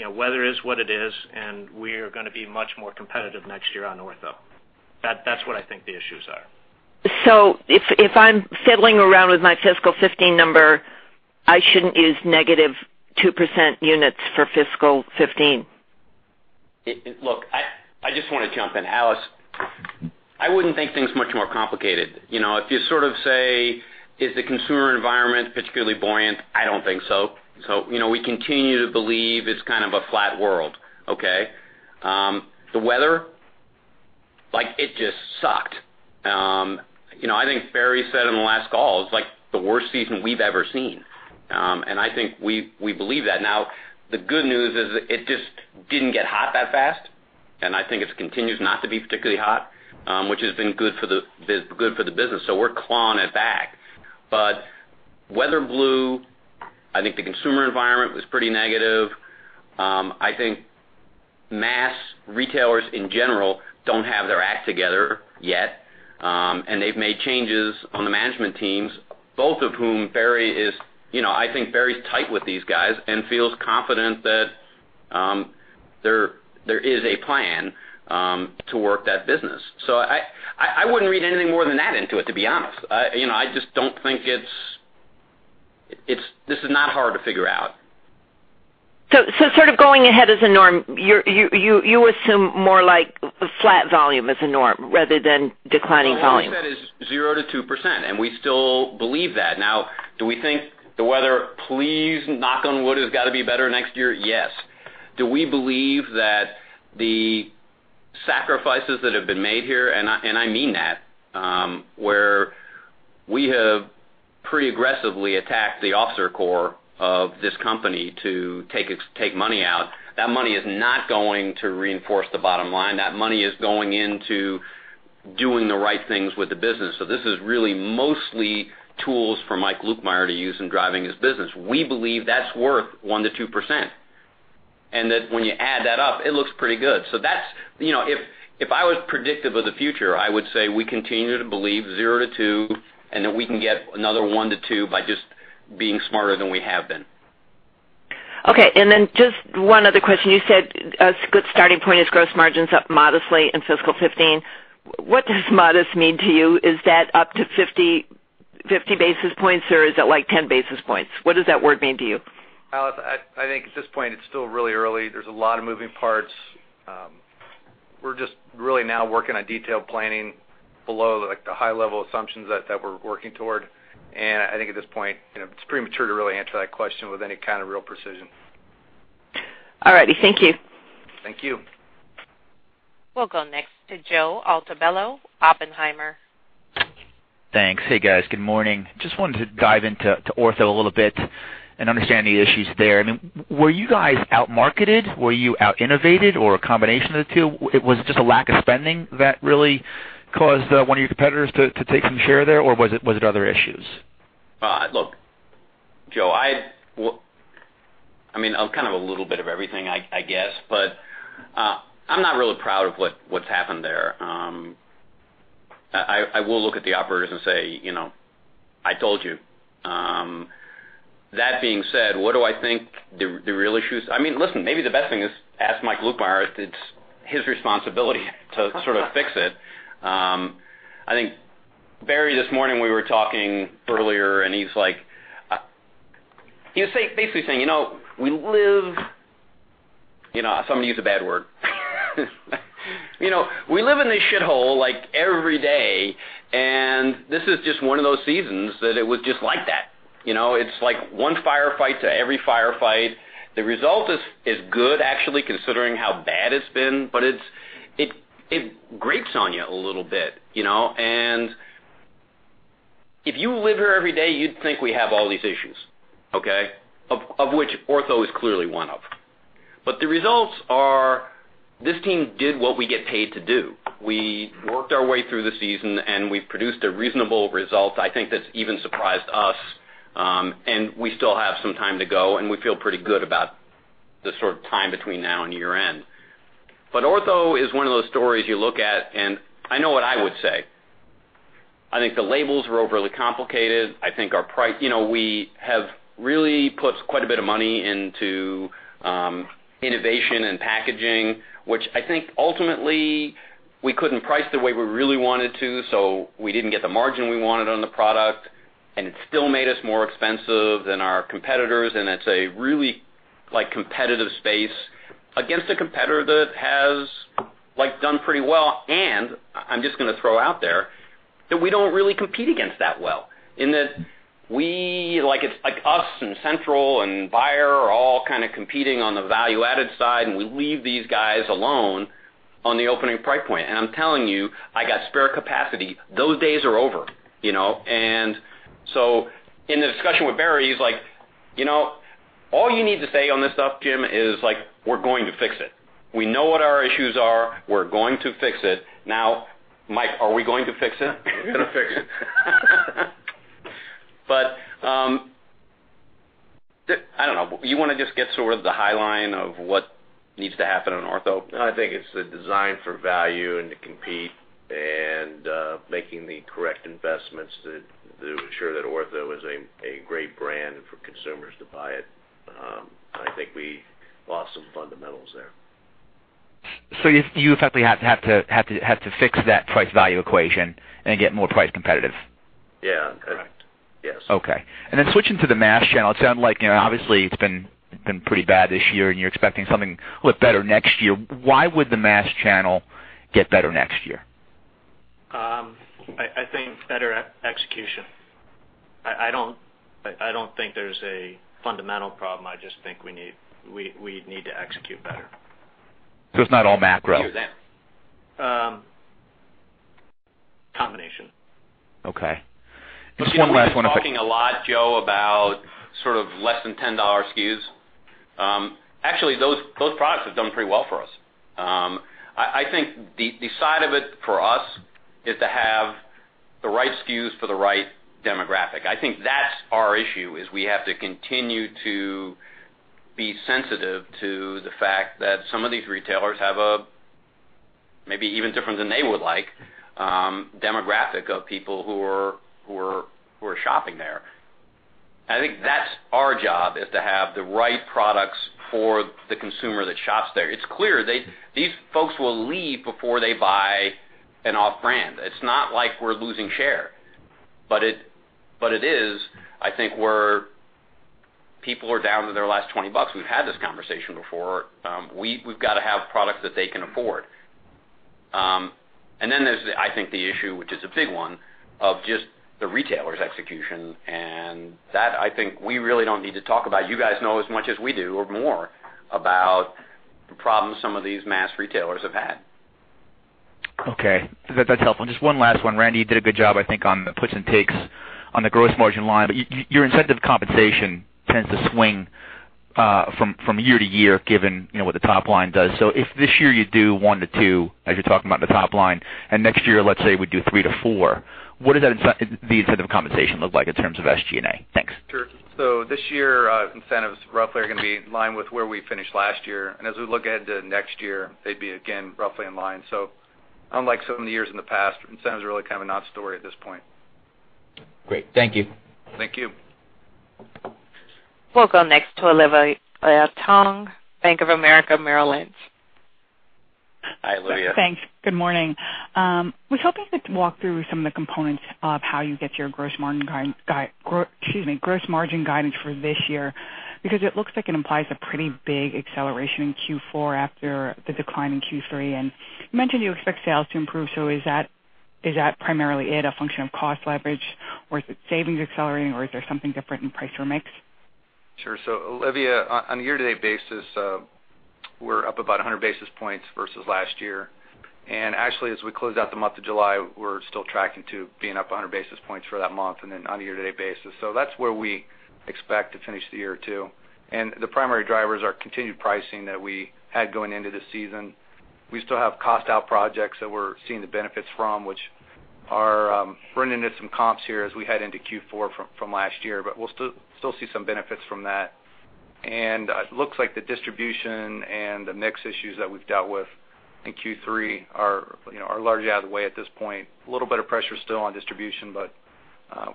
[SPEAKER 4] Weather is what it is, and we are going to be much more competitive next year on Ortho. That's what I think the issues are.
[SPEAKER 7] If I'm fiddling around with my fiscal 2015 number, I shouldn't use negative 2% units for fiscal 2015.
[SPEAKER 3] Look, I just want to jump in. Alice Longley, I wouldn't think things much more complicated. If you sort of say, is the consumer environment particularly buoyant? I don't think so. We continue to believe it's kind of a flat world, okay? The weather, like it just sucked. I think Barry Sanders said in the last call, it's like the worst season we've ever seen. I think we believe that. Now, the good news is it just didn't get hot that fast, and I think it continues not to be particularly hot, which has been good for the business, so we're clawing it back. Whether true, I think the consumer environment was pretty negative. I think mass retailers in general don't have their act together yet. They've made changes on the management teams, both of whom, Barry Sanders is I think Barry Sanders' tight with these guys and feels confident that there is a plan to work that business. I wouldn't read anything more than that into it, to be honest. This is not hard to figure out.
[SPEAKER 7] Sort of going ahead as a norm, you assume more like flat volume as a norm rather than declining volume.
[SPEAKER 3] Well, all we said is 0%-2%, and we still believe that. Now, do we think the weather, please, knock on wood, has got to be better next year? Yes. Do we believe that the sacrifices that have been made here, and I mean that, where we have pretty aggressively attacked the officer corps of this company to take money out, that money is not going to reinforce the bottom line. That money is going into doing the right things with the business. This is really mostly tools for Mike Lukemire to use in driving his business. We believe that's worth 1%-2% and that when you add that up, it looks pretty good. If I was predictive of the future, I would say we continue to believe 0-2, that we can get another 1-2 by just being smarter than we have been.
[SPEAKER 7] Okay, just one other question. You said a good starting point is gross margins up modestly in fiscal 2015. What does modest mean to you? Is that up to 50 basis points or is it like 10 basis points? What does that word mean to you?
[SPEAKER 5] Alice, I think at this point it's still really early. There's a lot of moving parts. We're just really now working on detailed planning below the high-level assumptions that we're working toward. I think at this point, it's premature to really answer that question with any kind of real precision.
[SPEAKER 7] All righty. Thank you.
[SPEAKER 5] Thank you.
[SPEAKER 1] We'll go next to Joe Altobello, Oppenheimer.
[SPEAKER 8] Thanks. Hey, guys. Good morning. Just wanted to dive into Ortho a little bit and understand the issues there. I mean, were you guys out-marketed? Were you out-innovated or a combination of the two? Was it just a lack of spending that really caused one of your competitors to take some share there, or was it other issues?
[SPEAKER 3] Look, Joe, I mean, kind of a little bit of everything, I guess, but I'm not really proud of what's happened there. I will look at the operators and say, "I told you." That being said, what do I think the real issue is? I mean, listen, maybe the best thing is ask Mike Lukemire. It's his responsibility to sort of fix it. I think Barry, this morning we were talking earlier and He was basically saying, "We live" I'm going to use a bad word. "We live in this shithole every day," This is just one of those seasons that it was just like that. It's like one firefight to every firefight. The result is good actually considering how bad it's been, but it grates on you a little bit. If you live here every day, you'd think we have all these issues, okay, of which Ortho is clearly one of. The results are this team did what we get paid to do. We worked our way through the season, we've produced a reasonable result, I think that's even surprised us, we still have some time to go, we feel pretty good about the sort of time between now and year-end. Ortho is one of those stories you look at, I know what I would say. I think the labels were overly complicated. We have really put quite a bit of money into innovation and packaging, which I think ultimately we couldn't price the way we really wanted to, we didn't get the margin we wanted on the product, it still made us more expensive than our competitors, it's a really competitive space against a competitor that has done pretty well. I'm just going to throw out there that we don't really compete against that well, in that it's like us and Central and Bayer are all kind of competing on the value-added side, we leave these guys alone on the opening price point. I'm telling you, I got spare capacity. Those days are over. In the discussion with Barry, he's like, "All you need to say on this stuff, Jim, is like, 'We're going to fix it.' We know what our issues are. We're going to fix it." Now, Mike, are we going to fix it?
[SPEAKER 9] We're going to fix it.
[SPEAKER 3] I don't know. You want to just get sort of the high line of what needs to happen on Ortho?
[SPEAKER 9] I think it's the design for value and to compete and making the correct investments to ensure that Ortho is a great brand for consumers to buy it. I think we lost some fundamentals there.
[SPEAKER 8] You effectively have to fix that price-value equation and get more price competitive?
[SPEAKER 9] Yeah. Correct. Yes.
[SPEAKER 8] Okay. Switching to the mass channel, it sounds like obviously it's been pretty bad this year and you're expecting something a little better next year. Why would the mass channel get better next year?
[SPEAKER 3] I think better execution. I don't think there's a fundamental problem. I just think we need to execute better.
[SPEAKER 8] It's not all macro? Okay. Just one last one.
[SPEAKER 4] We've been talking a lot, Joe, about sort of less than $10 SKUs. Actually, those products have done pretty well for us. I think the side of it for us is to have the right SKUs for the right demographic. I think that's our issue, is we have to continue to be sensitive to the fact that some of these retailers have a, maybe even different than they would like, demographic of people who are shopping there. I think that's our job, is to have the right products for the consumer that shops there. It's clear these folks will leave before they buy an off brand. It's not like we're losing share, but it is, I think, where people are down to their last $20. We've had this conversation before. We've got to have products that they can afford. There's, I think, the issue, which is a big one, of just the retailers' execution and that, I think, we really don't need to talk about. You guys know as much as we do or more about the problems some of these mass retailers have had.
[SPEAKER 8] Okay. That's helpful. Just one last one. Randy, you did a good job, I think, on the puts and takes on the gross margin line. Your incentive compensation tends to swing from year-to-year, given what the top line does. If this year you do 1%-2%, as you're talking about the top line, and next year, let's say we do 3%-4%, what does the incentive compensation look like in terms of SG&A? Thanks.
[SPEAKER 5] Sure. This year, incentives roughly are going to be in line with where we finished last year. As we look ahead to next year, they'd be again roughly in line. Unlike some of the years in the past, incentive's really kind of a non-story at this point.
[SPEAKER 8] Great. Thank you.
[SPEAKER 4] Thank you.
[SPEAKER 1] We'll go next to Olivia Tong, Bank of America Merrill Lynch.
[SPEAKER 4] Hi, Olivia.
[SPEAKER 10] Thanks. Good morning. Was hoping you could walk through some of the components of how you get your gross margin guidance for this year, because it looks like it implies a pretty big acceleration in Q4 after the decline in Q3. You mentioned you expect sales to improve. Is that primarily it a function of cost leverage, or is it savings accelerating, or is there something different in price or mix?
[SPEAKER 5] Sure. Olivia, on a year-to-date basis, we're up about 100 basis points versus last year. Actually, as we close out the month of July, we're still tracking to being up 100 basis points for that month and then on a year-to-date basis. That's where we expect to finish the year too. The primary drivers are continued pricing that we had going into this season. We still have cost-out projects that we're seeing the benefits from, which are running into some comps here as we head into Q4 from last year. We'll still see some benefits from that. It looks like the distribution and the mix issues that we've dealt with in Q3 are largely out of the way at this point. A little bit of pressure still on distribution.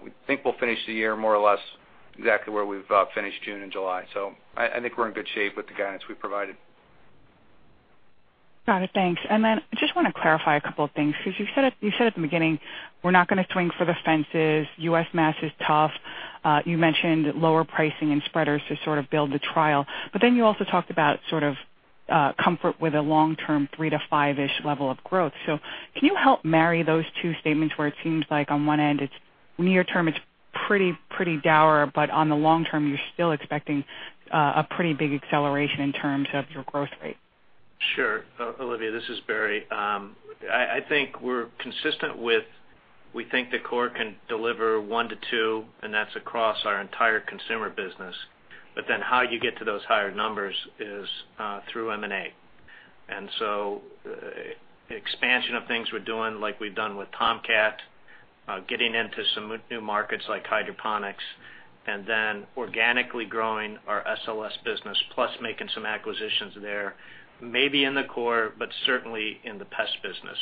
[SPEAKER 5] We think we'll finish the year more or less exactly where we've finished June and July. I think we're in good shape with the guidance we've provided.
[SPEAKER 10] Got it. Thanks. I just want to clarify a couple of things, because you said at the beginning, we're not going to swing for the fences. U.S. mass is tough. You mentioned lower pricing and spreaders to sort of build the trial. You also talked about sort of comfort with a long-term three to five-ish level of growth. Can you help marry those two statements where it seems like on one end, near term, it's pretty dour. On the long term, you're still expecting a pretty big acceleration in terms of your growth rate?
[SPEAKER 4] Sure. Olivia, this is Barry. I think we're consistent with. We think the core can deliver one to two, and that's across our entire consumer business. How you get to those higher numbers is through M&A. Expansion of things we're doing, like we've done with Tomcat, getting into some new markets like hydroponics. Organically growing our SLS business, plus making some acquisitions there, maybe in the core. Certainly in the pest business.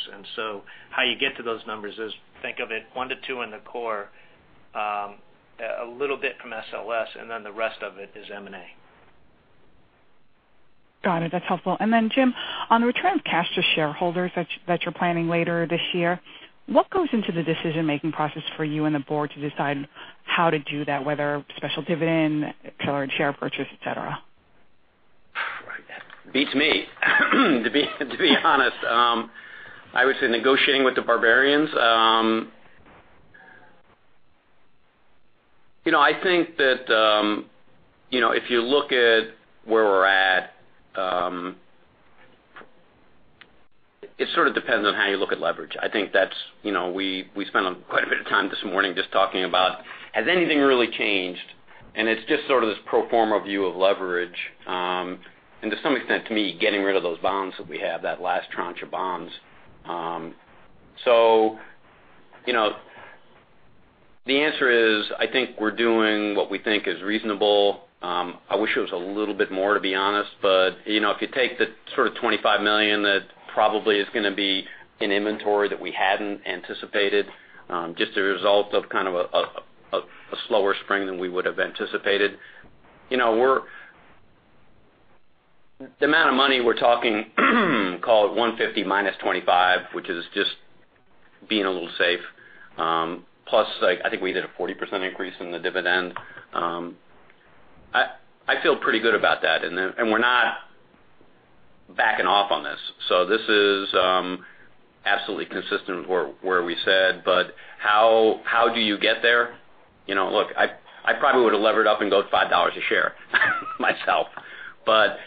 [SPEAKER 4] How you get to those numbers is, think of it, one to two in the core, a little bit from SLS. The rest of it is M&A.
[SPEAKER 10] Got it. That's helpful. Jim, on the return of cash to shareholders that you're planning later this year, what goes into the decision-making process for you and the board to decide how to do that, whether special dividend, tailored share purchase, et cetera?
[SPEAKER 3] Right. Beats me, to be honest. I would say negotiating with the barbarians. I think that if you look at where we're at, it sort of depends on how you look at leverage. I think we spent quite a bit of time this morning just talking about has anything really changed? It's just sort of this pro forma view of leverage. To some extent, to me, getting rid of those bonds that we have, that last tranche of bonds. The answer is, I think we're doing what we think is reasonable. I wish it was a little bit more, to be honest. If you take the sort of $25 million that probably is going to be in inventory that we hadn't anticipated, just a result of kind of a slower spring than we would have anticipated.
[SPEAKER 4] The amount of money we're talking, call it 150 minus 25, which is just being a little safe. Plus, I think we did a 40% increase in the dividend. I feel pretty good about that. We're not backing off on this. This is absolutely consistent with where we said, but how do you get there? Look, I probably would have levered up and go $5 a share myself, but-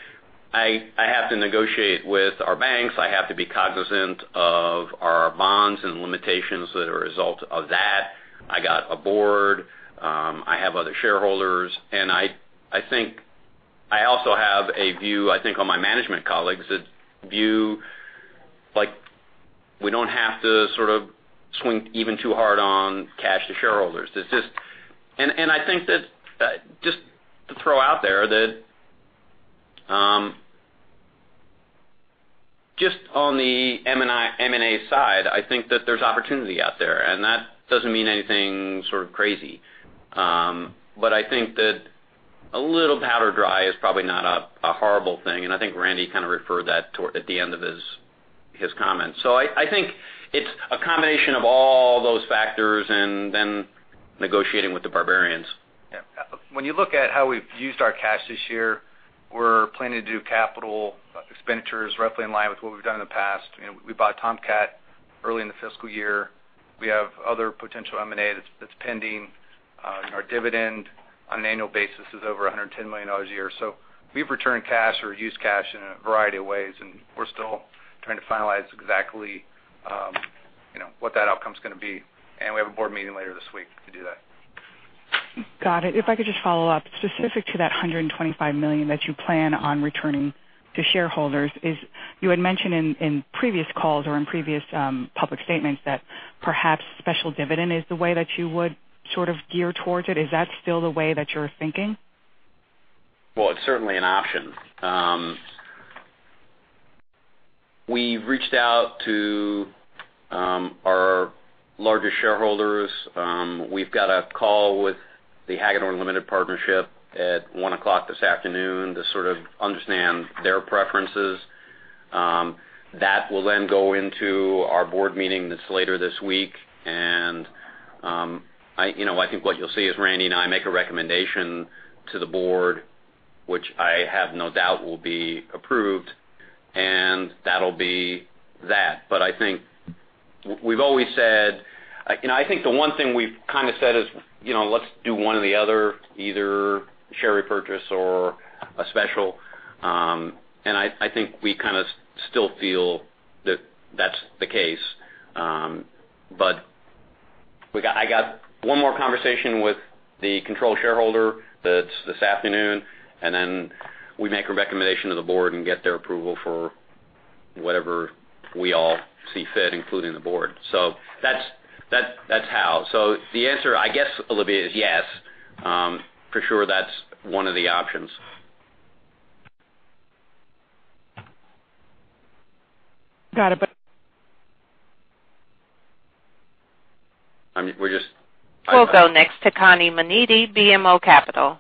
[SPEAKER 3] I have to negotiate with our banks. I have to be cognizant of our bonds and limitations that are a result of that. I got a board. I have other shareholders, I think I also have a view, I think on my management colleagues, a view like we don't have to sort of swing even too hard on cash to shareholders. I think that just to throw out there that just on the M&A side, I think that there's opportunity out there, and that doesn't mean anything sort of crazy. I think that a little powder dry is probably not a horrible thing, and I think Randy Coleman kind of referred that at the end of his comments. I think it's a combination of all those factors and then negotiating with the barbarians.
[SPEAKER 5] Yeah. When you look at how we've used our cash this year, we're planning to do capital expenditures roughly in line with what we've done in the past. We bought Tomcat early in the fiscal year. We have other potential M&A that's pending. Our dividend on an annual basis is over $110 million a year. We've returned cash or used cash in a variety of ways, and we're still trying to finalize exactly what that outcome is going to be. We have a board meeting later this week to do that.
[SPEAKER 10] Got it. If I could just follow up, specific to that $125 million that you plan on returning to shareholders is, you had mentioned in previous calls or in previous public statements that perhaps special dividend is the way that you would sort of gear towards it. Is that still the way that you're thinking?
[SPEAKER 3] Well, it's certainly an option. We've reached out to our largest shareholders. We've got a call with the Hagedorn Partnership, L.P. at one o'clock this afternoon to sort of understand their preferences. That will then go into our board meeting that's later this week, and I think what you'll see is Randy and I make a recommendation to the board, which I have no doubt will be approved, and that'll be that. I think the one thing we've kind of said is, let's do one or the other, either share repurchase or a special. I think we kind of still feel that that's the case. I got one more conversation with the control shareholder that's this afternoon, and then we make a recommendation to the board and get their approval for whatever we all see fit, including the board. That's how. The answer, I guess, Olivia, is yes. For sure, that's one of the options.
[SPEAKER 10] Got it.
[SPEAKER 3] We just-
[SPEAKER 1] We'll go next to Connie Maneaty, BMO Capital.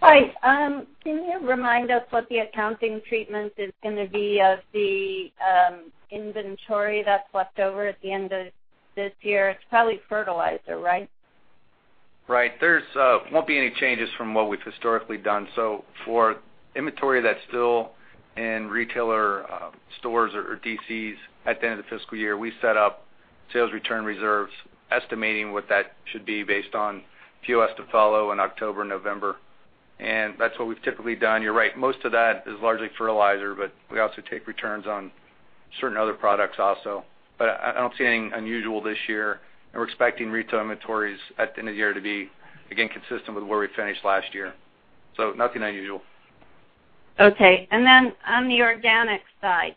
[SPEAKER 11] Hi. Can you remind us what the accounting treatment is going to be of the inventory that's left over at the end of this year? It's probably fertilizer, right?
[SPEAKER 5] Right. There won't be any changes from what we've historically done. For inventory that's still in retailer stores or DCs at the end of the fiscal year, we set up sales return reserves estimating what that should be based on POS to follow in October, November. That's what we've typically done. You're right. Most of that is largely fertilizer, but we also take returns on certain other products also. I don't see anything unusual this year, and we're expecting retail inventories at the end of the year to be, again, consistent with where we finished last year. Nothing unusual.
[SPEAKER 11] Okay. Then on the organic side,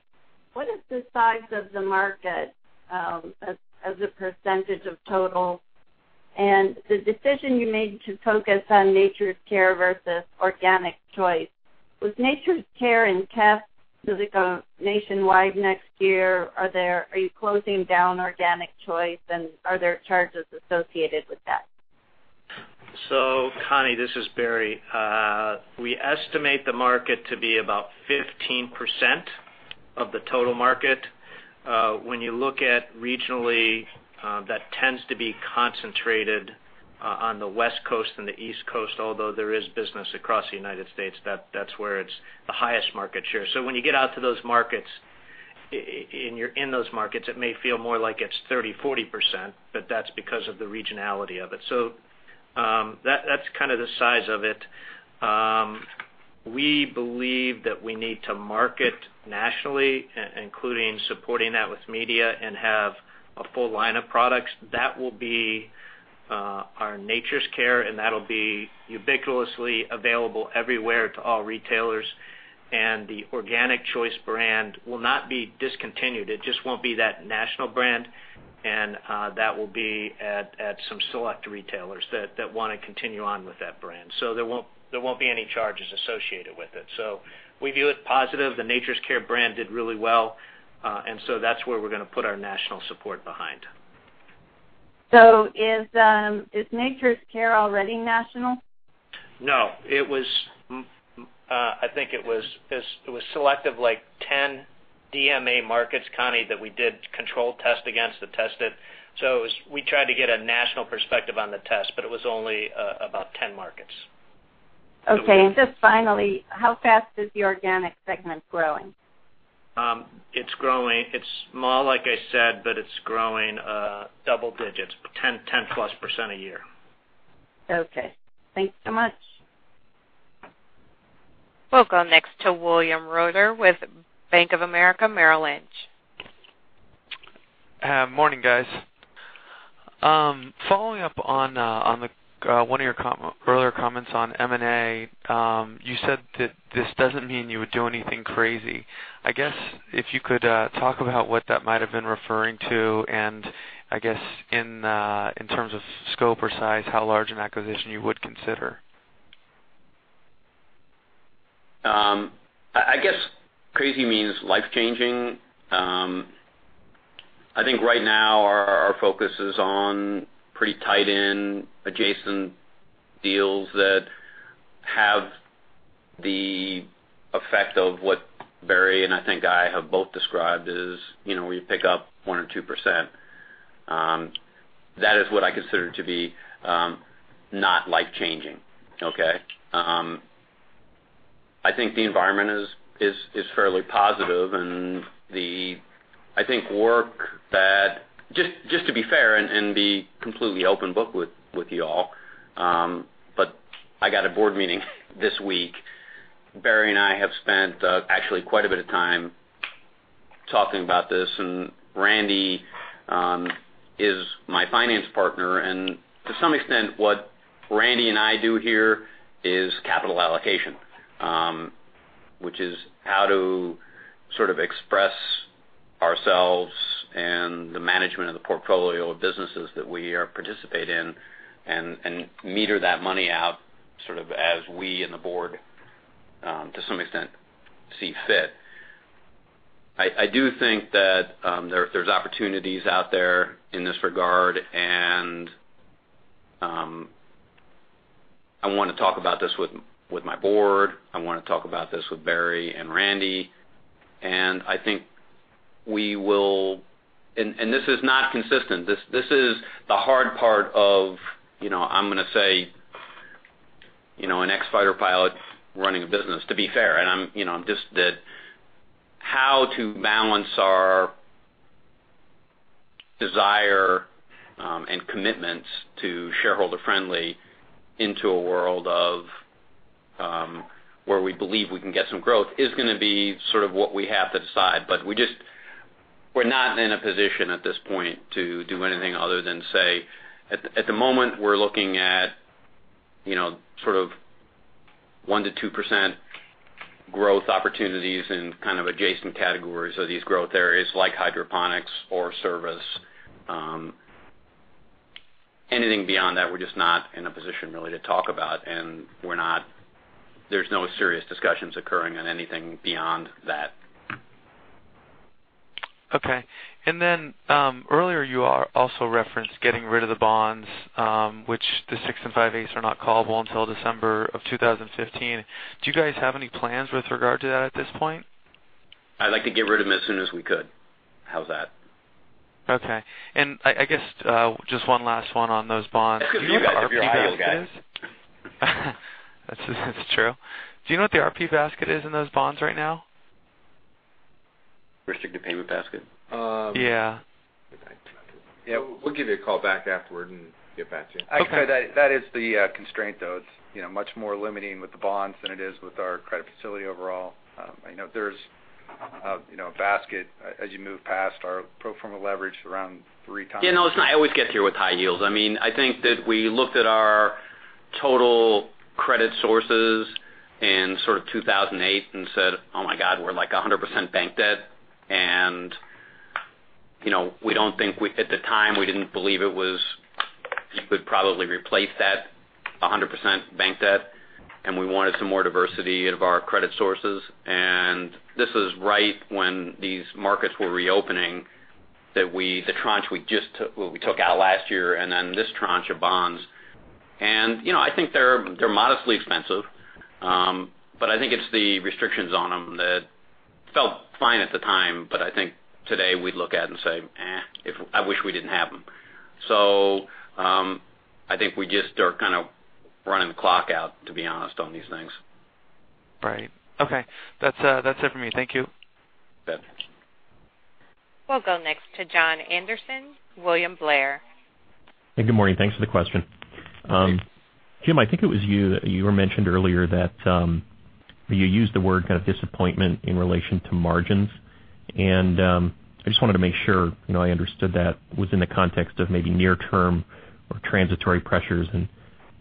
[SPEAKER 11] what is the size of the market as a % of total? The decision you made to focus on Nature's Care versus Organic Choice, was Nature's Care in test? Does it go nationwide next year? Are you closing down Organic Choice, and are there charges associated with that?
[SPEAKER 4] Connie, this is Barry. We estimate the market to be about 15% of the total market. When you look at regionally, that tends to be concentrated on the West Coast and the East Coast, although there is business across the United States. That's where it's the highest market share. When you get out to those markets, in those markets, it may feel more like it's 30%, 40%, but that's because of the regionality of it. That's kind of the size of it. We believe that we need to market nationally, including supporting that with media, and have a full line of products. That will be our Nature's Care, and that'll be ubiquitously available everywhere to all retailers. The Organic Choice brand will not be discontinued. It just won't be that national brand, and that will be at some select retailers that want to continue on with that brand. There won't be any charges associated with it. We view it positive. The Nature's Care brand did really well, and so that's where we're going to put our national support behind.
[SPEAKER 11] Is Nature's Care already national?
[SPEAKER 4] No. I think it was selective, like 10 DMA markets, Connie, that we did control test against that tested. We tried to get a national perspective on the test, but it was only about 10 markets.
[SPEAKER 11] Okay. Just finally, how fast is the organic segment growing?
[SPEAKER 4] It's growing. It's small, like I said, but it's growing double digits, 10% plus a year.
[SPEAKER 11] Okay. Thanks so much.
[SPEAKER 1] We'll go next to William Reuter with Bank of America Merrill Lynch.
[SPEAKER 12] Morning, guys. Following up on one of your earlier comments on M&A, you said that this doesn't mean you would do anything crazy. I guess, if you could talk about what that might have been referring to, and I guess in terms of scope or size, how large an acquisition you would consider?
[SPEAKER 3] I guess crazy means life-changing. I think right now our focus is on pretty tight in adjacent deals that have the effect of what Barry and I think I have both described is, where you pick up one or 2%. That is what I consider to be not life-changing. Okay? Just to be fair and be completely open book with you all, I got a board meeting this week. Barry and I have spent actually quite a bit of time talking about this, and Randy is my finance partner. To some extent, what Randy and I do here is capital allocation, which is how to sort of express ourselves and the management of the portfolio of businesses that we participate in and meter that money out, sort of as we and the board, to some extent, see fit. I do think that there's opportunities out there in this regard, and I want to talk about this with my board. I want to talk about this with Barry and Randy. I think we will, and this is not consistent. This is the hard part of, I'm going to say, an ex-fighter pilot running a business, to be fair. How to balance our desire and commitments to shareholder-friendly into a world of where we believe we can get some growth is going to be sort of what we have to decide. We're not in a position at this point to do anything other than say, at the moment, we're looking at sort of 1%-2% growth opportunities in kind of adjacent categories of these growth areas, like hydroponics or service. Anything beyond that, we're just not in a position really to talk about, and there's no serious discussions occurring on anything beyond that.
[SPEAKER 12] Okay. Earlier you also referenced getting rid of the bonds, which the six and five-eighths are not callable until December of 2015. Do you guys have any plans with regard to that at this point?
[SPEAKER 3] I'd like to get rid of them as soon as we could. How's that?
[SPEAKER 12] Okay. I guess just one last one on those bonds.
[SPEAKER 3] That's because you're an Ohio guy.
[SPEAKER 12] That's true. Do you know what the RP basket is in those bonds right now?
[SPEAKER 3] Restrict to payment basket?
[SPEAKER 12] Yeah.
[SPEAKER 3] We'll give you a call back afterward and get back to you.
[SPEAKER 12] Okay.
[SPEAKER 5] I can tell you that is the constraint, though. It's much more limiting with the bonds than it is with our credit facility overall. I know there's a basket as you move past our pro forma leverage around 3 times.
[SPEAKER 3] I always get here with high yields. I think that we looked at our total credit sources in sort of 2008 and said, "Oh, my God, we're like 100% bank debt." At the time, we didn't believe we could probably replace that 100% bank debt, and we wanted some more diversity of our credit sources. This was right when these markets were reopening, that the tranche we took out last year, and then this tranche of bonds. I think they're modestly expensive. I think it's the restrictions on them that felt fine at the time, but I think today we'd look at and say, "Eh, I wish we didn't have them." I think we just are kind of running the clock out, to be honest, on these things.
[SPEAKER 12] Right. Okay. That's it for me. Thank you.
[SPEAKER 3] You bet.
[SPEAKER 1] We'll go next to Jon Andersen, William Blair.
[SPEAKER 13] Good morning. Thanks for the question. Jim, I think it was you. You mentioned earlier that you used the word kind of disappointment in relation to margins, and I just wanted to make sure I understood that within the context of maybe near term or transitory pressures, and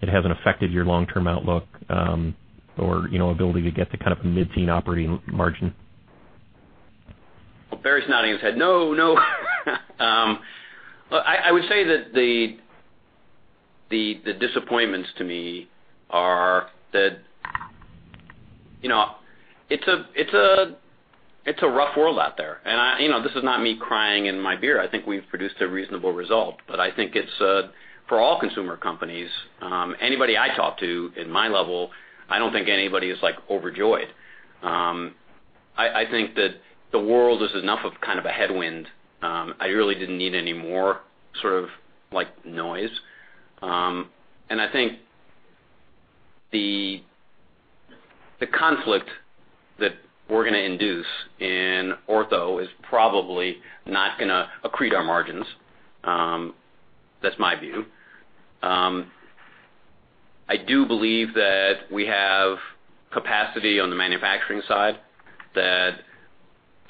[SPEAKER 13] it hasn't affected your long-term outlook, or ability to get to kind of a mid-teen operating margin.
[SPEAKER 3] Barry's nodding his head. No, no. I would say that the disappointments to me are that it's a rough world out there. This is not me crying in my beer. I think we've produced a reasonable result. I think it's for all consumer companies. Anybody I talk to at my level, I don't think anybody is overjoyed. I think that the world is enough of kind of a headwind. I really didn't need any more sort of noise. The conflict that we're going to induce in Ortho is probably not going to accrete our margins. That's my view. I do believe that we have capacity on the manufacturing side that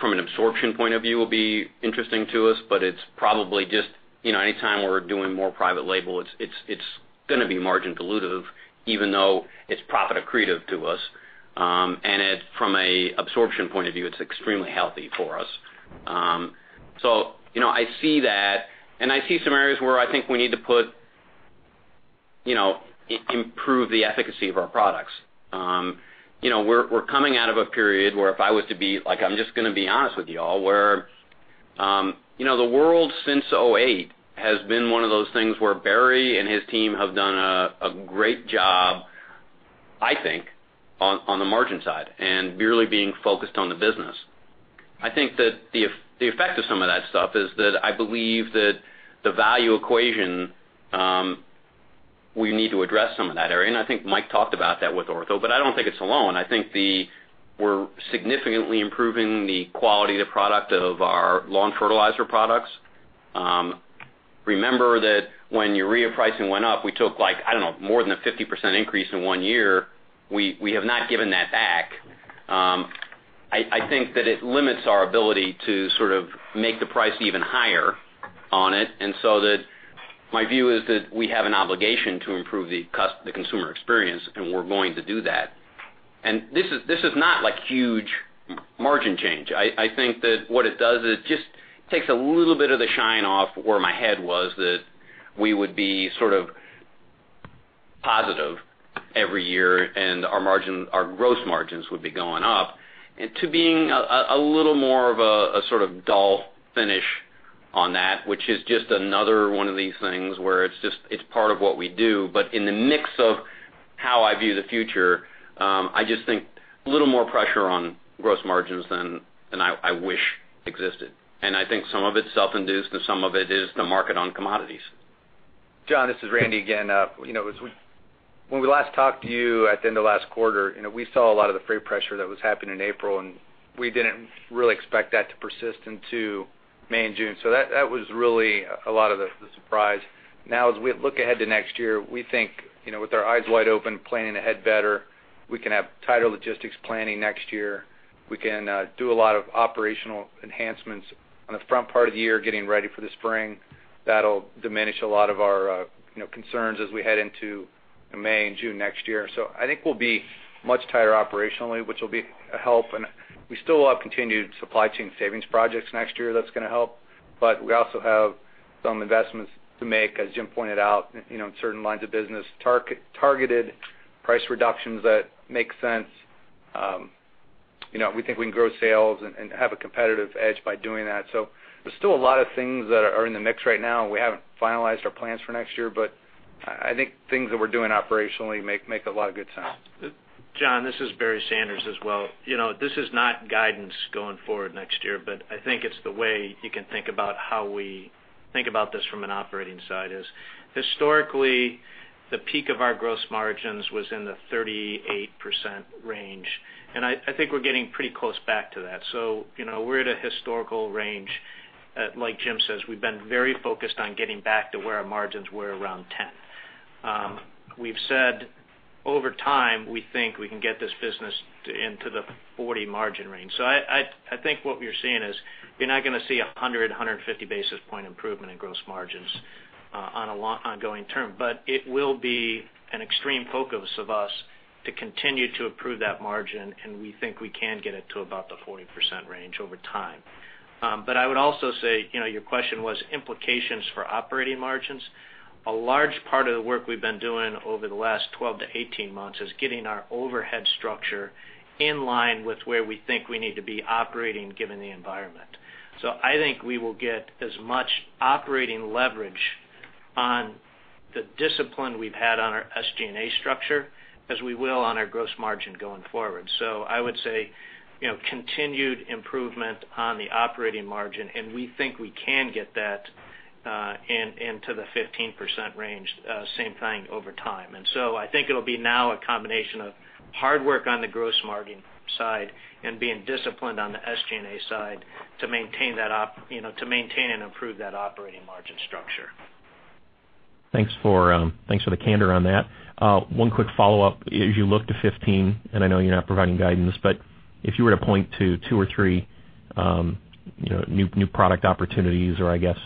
[SPEAKER 3] from an absorption point of view will be interesting to us, but it's probably just anytime we're doing more private label, it's going to be margin dilutive even though it's profit accretive to us. From an absorption point of view, it's extremely healthy for us. I see that, and I see some areas where I think we need to improve the efficacy of our products. We're coming out of a period where if I was to be like, I'm just going to be honest with you all, where the world since 2008 has been one of those things where Barry and his team have done a great job, I think, on the margin side and really being focused on the business. I think that the effect of some of that stuff is that I believe that the value equation, we need to address some of that area, and I think Mike talked about that with Ortho, but I don't think it's alone. I think we're significantly improving the quality of the product of our lawn fertilizer products. Remember that when urea pricing went up, we took, I don't know, more than a 50% increase in one year. We have not given that back. I think that it limits our ability to sort of make the price even higher on it. My view is that we have an obligation to improve the consumer experience, and we're going to do that. This is not huge margin change. I think that what it does is just takes a little bit of the shine off where my head was that we would be sort of positive every year and our gross margins would be going up to being a little more of a sort of dull finish on that, which is just another one of these things where it's part of what we do. In the mix of how I view the future, I just think a little more pressure on gross margins than I wish existed. I think some of it is self-induced and some of it is the market on commodities.
[SPEAKER 5] Jon, this is Randy again. When we last talked to you at the end of last quarter, we saw a lot of the freight pressure that was happening in April, we didn't really expect that to persist into May and June. That was really a lot of the surprise. As we look ahead to next year, we think, with our eyes wide open, planning ahead better, we can have tighter logistics planning next year. We can do a lot of operational enhancements on the front part of the year, getting ready for the spring. That'll diminish a lot of our concerns as we head into May and June next year. I think we'll be much tighter operationally, which will be a help, and we still will have continued supply chain savings projects next year that's going to help. We also have some investments to make, as Jim pointed out, in certain lines of business, targeted price reductions that make sense. We think we can grow sales and have a competitive edge by doing that. There's still a lot of things that are in the mix right now, and we haven't finalized our plans for next year, but I think things that we're doing operationally make a lot of good sense.
[SPEAKER 4] Jon, this is Barry Sanders as well. This is not guidance going forward next year, but I think it's the way you can think about how we think about this from an operating side is historically, the peak of our gross margins was in the 38% range, and I think we're getting pretty close back to that. We're at a historical range. Like Jim says, we've been very focused on getting back to where our margins were around 2010. We've said over time, we think we can get this business into the 40% margin range. I think what we are seeing is you're not going to see 100, 150 basis point improvement in gross margins on ongoing term. It will be an extreme focus of us to continue to approve that margin, and we think we can get it to about the 40% range over time. I would also say, your question was implications for operating margins. A large part of the work we've been doing over the last 12-18 months is getting our overhead structure in line with where we think we need to be operating, given the environment. I think we will get as much operating leverage on the discipline we've had on our SG&A structure as we will on our gross margin going forward. I would say, continued improvement on the operating margin, and we think we can get that into the 15% range, same thing over time. I think it'll be now a combination of hard work on the gross margin side and being disciplined on the SG&A side to maintain and improve that operating margin structure.
[SPEAKER 13] Thanks for the candor on that. One quick follow-up. As you look to 2015, and I know you're not providing guidance, but if you were to point to two or three new product opportunities or I guess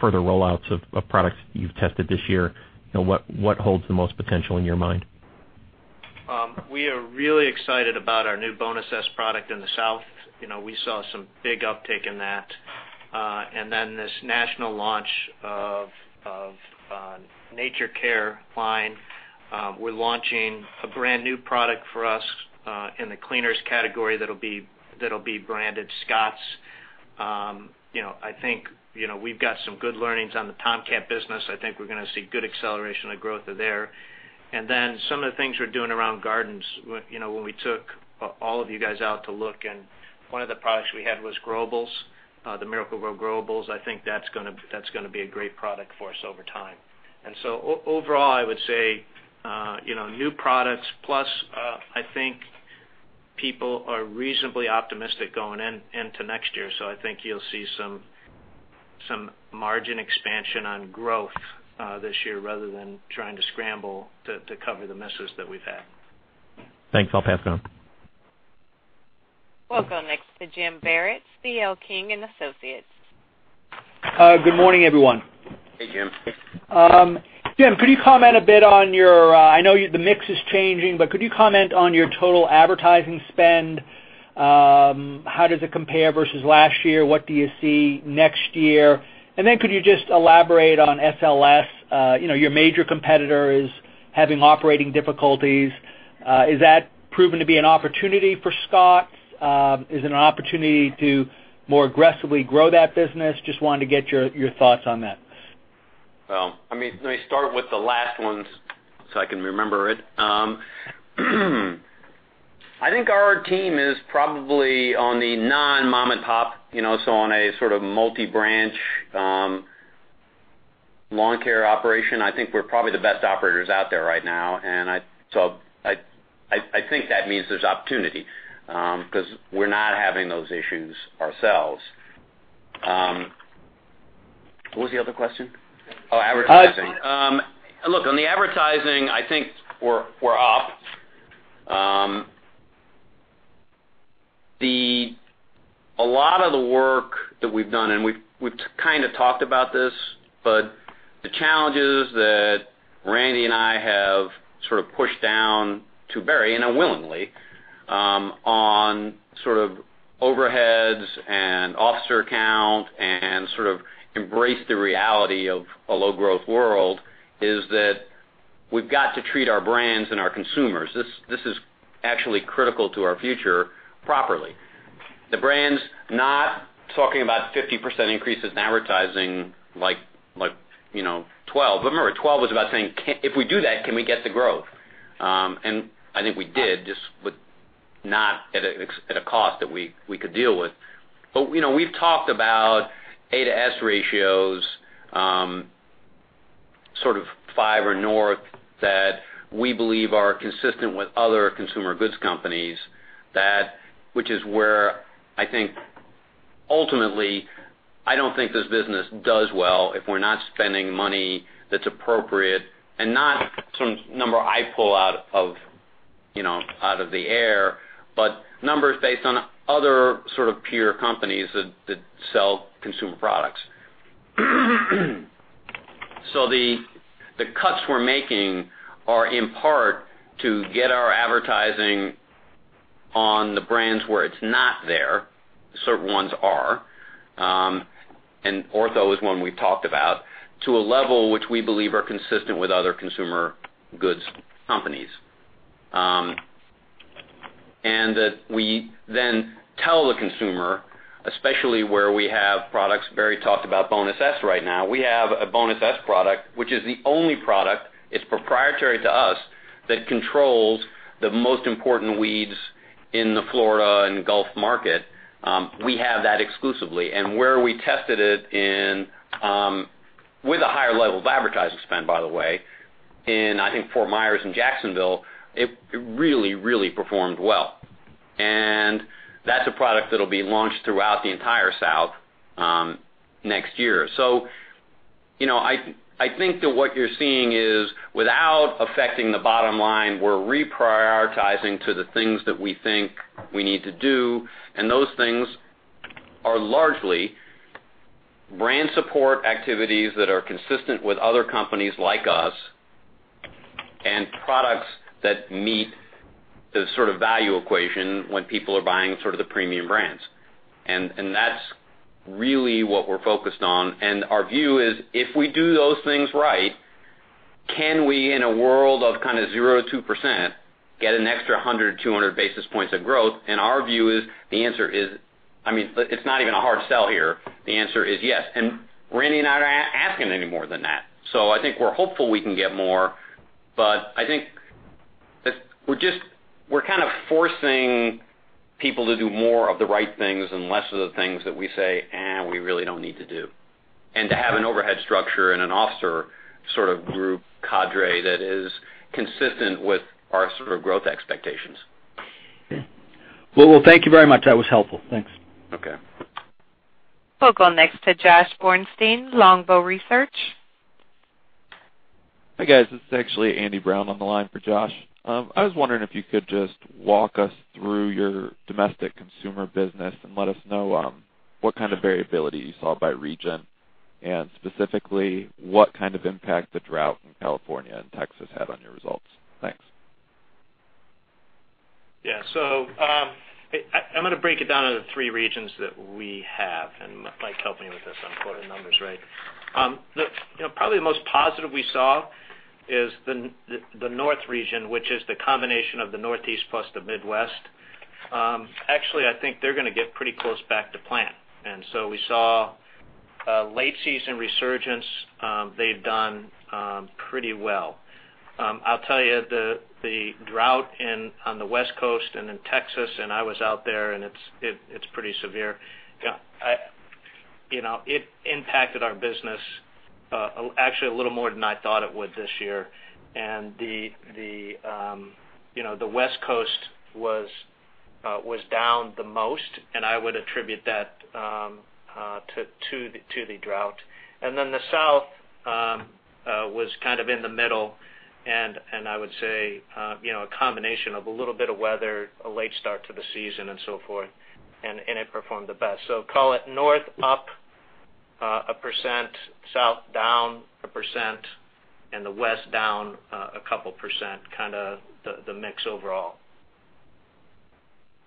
[SPEAKER 13] further rollouts of products you've tested this year, what holds the most potential in your mind?
[SPEAKER 4] We are really excited about our new Bonus S product in the South. We saw some big uptick in that. This national launch of Nature's Care line. We're launching a brand-new product for us in the cleaners category that'll be branded Scotts. I think we've got some good learnings on the Tomcat business. I think we're going to see good acceleration of growth there. Some of the things we're doing around gardens, when we took all of you guys out to look, and one of the products we had was Growables, the Miracle-Gro Growables. I think that's going to be a great product for us over time. Overall, I would say new products plus, I think People are reasonably optimistic going into next year. I think you'll see some margin expansion on growth this year, rather than trying to scramble to cover the messes that we've had.
[SPEAKER 13] Thanks. I'll pass it on.
[SPEAKER 1] We'll go next to Jim Barrett, C.L. King & Associates.
[SPEAKER 14] Good morning, everyone.
[SPEAKER 4] Hey, Jim.
[SPEAKER 14] Jim, could you comment a bit on your total advertising spend? How does it compare versus last year? What do you see next year? Could you just elaborate on SLS? Your major competitor is having operating difficulties. Is that proven to be an opportunity for Scotts? Is it an opportunity to more aggressively grow that business? Just wanted to get your thoughts on that.
[SPEAKER 3] Well, let me start with the last one so I can remember it. I think our team is probably on the non-mom and pop, so on a sort of multi-branch lawn care operation. I think we're probably the best operators out there right now, I think that means there's opportunity, because we're not having those issues ourselves. What was the other question? Oh, advertising. Look, on the advertising, I think we're up. A lot of the work that we've done, and we've kind of talked about this, but the challenges that Randy Coleman and I have sort of pushed down to Barry Sanders, and willingly, on sort of overheads and officer count and sort of embrace the reality of a low growth world, is that we've got to treat our brands and our consumers, this is actually critical to our future, properly. The brands, not talking about 50% increases in advertising like 2012. Remember, 2012 was about saying, "If we do that, can we get the growth?" I think we did, just not at a cost that we could deal with. We've talked about A to S ratios sort of five or north that we believe are consistent with other consumer goods companies, which is where I think ultimately, I don't think this business does well if we're not spending money that's appropriate and not some number I pull out of the air, but numbers based on other sort of peer companies that sell consumer products. The cuts we're making are in part to get our advertising on the brands where it's not there, certain ones are, and Ortho is one we've talked about, to a level which we believe are consistent with other consumer goods companies. That we then tell the consumer, especially where we have products, Barry talked about Bonus S right now. We have a Bonus S product, which is the only product, it's proprietary to us, that controls the most important weeds in the Florida and Gulf market. We have that exclusively, and where we tested it in with a higher level of advertising spend, by the way, in, I think, Fort Myers and Jacksonville, it really performed well. That's a product that'll be launched throughout the entire South next year. I think that what you're seeing is without affecting the bottom line, we're reprioritizing to the things that we think we need to do, and those things are largely brand support activities that are consistent with other companies like us and products that meet the sort of value equation when people are buying sort of the premium brands. That's really what we're focused on. Our view is, if we do those things right, can we, in a world of kind of zero or 2%, get an extra 100 to 200 basis points of growth? Our view is, the answer is, it's not even a hard sell here. The answer is yes. Randy and I aren't asking any more than that. I think we're hopeful we can get more, but I think we're kind of forcing people to do more of the right things and less of the things that we say, "Eh, we really don't need to do." To have an overhead structure and an officer sort of group cadre that is consistent with our sort of growth expectations.
[SPEAKER 14] Okay. Well, thank you very much. That was helpful. Thanks.
[SPEAKER 4] Okay.
[SPEAKER 1] We'll go next to Josh Borstein, Longbow Research.
[SPEAKER 15] Hi, guys. This is actually Andy Brown on the line for Josh. I was wondering if you could just walk us through your domestic consumer business and let us know what kind of variability you saw by region, and specifically, what kind of impact the drought in California and Texas had on your results. Thanks.
[SPEAKER 4] Yeah. I'm going to break it down into three regions that we have, and Mike helping me with this, I'm quoting numbers, right? Probably the most positive we saw is the North region, which is the combination of the Northeast plus the Midwest. Actually, I think they're going to get pretty close back to plan. We saw a late season resurgence. They've done pretty well. I'll tell you, the drought on the West Coast and in Texas, and I was out there, and it's pretty severe. It impacted our business actually a little more than I thought it would this year. The West Coast was down the most, and I would attribute that to the drought. The South was kind of in the middle, and I would say, a combination of a little bit of weather, a late start to the season and so forth, and it performed the best. Call it North up 1%, South down 1%, and the West down a couple percent, the mix overall.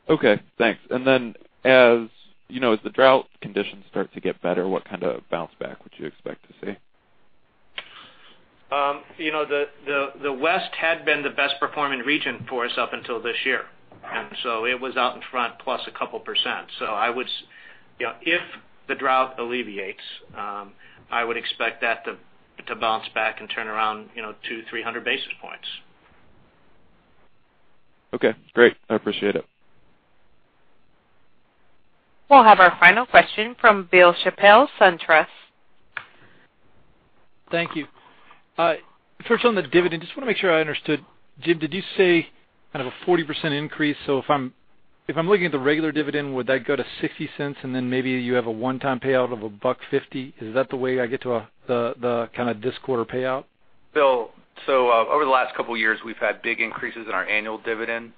[SPEAKER 15] Okay, thanks. As the drought conditions start to get better, what kind of bounce back would you expect to see?
[SPEAKER 4] The West had been the best performing region for us up until this year, it was out in front plus a couple %. If the drought alleviates, I would expect that to bounce back and turn around, two, 300 basis points.
[SPEAKER 15] Okay, great. I appreciate it.
[SPEAKER 1] We'll have our final question from Bill Chappell, SunTrust.
[SPEAKER 16] Thank you. First, on the dividend, just want to make sure I understood. Jim, did you say kind of a 40% increase? If I'm looking at the regular dividend, would that go to $0.60 and then maybe you have a one-time payout of $1.50? Is that the way I get to the kind of this quarter payout?
[SPEAKER 5] Bill, over the last couple of years, we've had big increases in our annual dividend.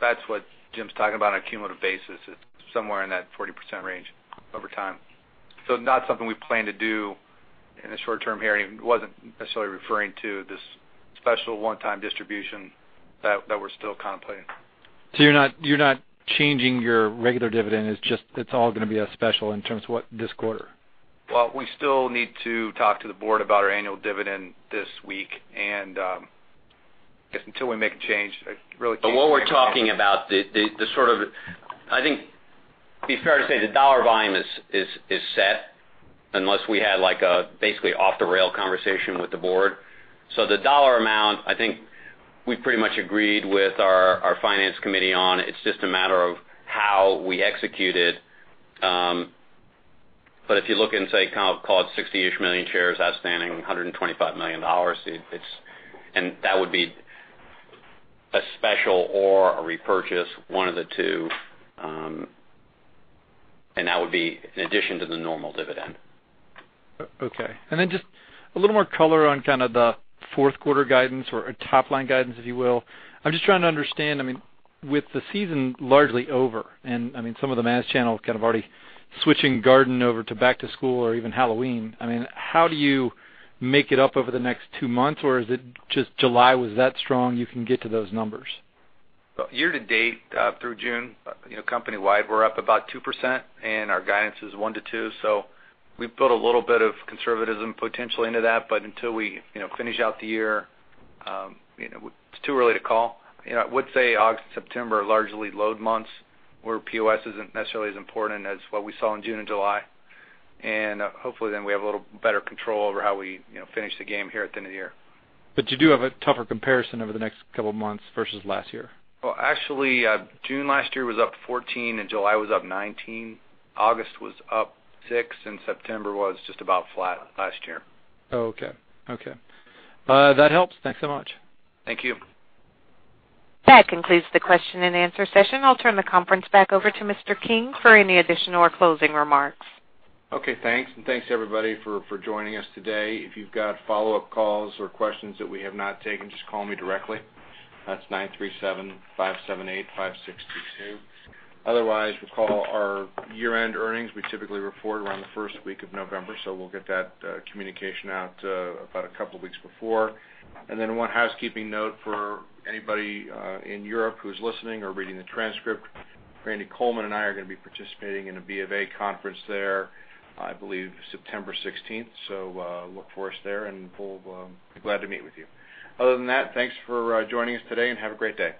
[SPEAKER 5] That's what Jim's talking about on a cumulative basis. It's somewhere in that 40% range over time. Not something we plan to do in the short term here, and he wasn't necessarily referring to this special one-time distribution that we're still contemplating.
[SPEAKER 16] You're not changing your regular dividend, it's all going to be a special in terms of what this quarter?
[SPEAKER 5] Well, we still need to talk to the board about our annual dividend this week, just until we make a change, I really can't-
[SPEAKER 3] What we're talking about, I think, be fair to say, the dollar volume is set unless we had like a basically off the rail conversation with the board. The dollar amount, I think we've pretty much agreed with our finance committee on. It's just a matter of how we execute it. If you look and say, call it 60-ish million shares outstanding, $125 million, that would be a special or a repurchase, one of the two, that would be in addition to the normal dividend.
[SPEAKER 16] Okay. Then just a little more color on kind of the fourth quarter guidance or top line guidance, if you will. I'm just trying to understand, with the season largely over, and some of the mass channel kind of already switching garden over to back to school or even Halloween, how do you make it up over the next 2 months? Is it just July was that strong, you can get to those numbers?
[SPEAKER 5] Year to date, through June, company-wide, we're up about 2%, and our guidance is one to two. We put a little bit of conservatism potentially into that, but until we finish out the year, it's too early to call. I would say August, September are largely load months where POS isn't necessarily as important as what we saw in June and July. Hopefully then we have a little better control over how we finish the game here at the end of the year.
[SPEAKER 16] You do have a tougher comparison over the next couple of months versus last year.
[SPEAKER 5] Actually, June last year was up 14 and July was up 19. August was up six, September was just about flat last year.
[SPEAKER 16] Okay. That helps. Thanks so much.
[SPEAKER 5] Thank you.
[SPEAKER 1] That concludes the question and answer session. I'll turn the conference back over to Mr. King for any additional or closing remarks.
[SPEAKER 2] Okay, thanks. Thanks everybody for joining us today. If you've got follow-up calls or questions that we have not taken, just call me directly. That's 937-578-5662. Otherwise, we'll call our year-end earnings. We typically report around the first week of November. We'll get that communication out about a couple of weeks before. One housekeeping note for anybody in Europe who's listening or reading the transcript, Randy Coleman and I are going to be participating in a Bank of America conference there, I believe September 16th. Look for us there. We'll be glad to meet with you. Other than that, thanks for joining us today. Have a great day.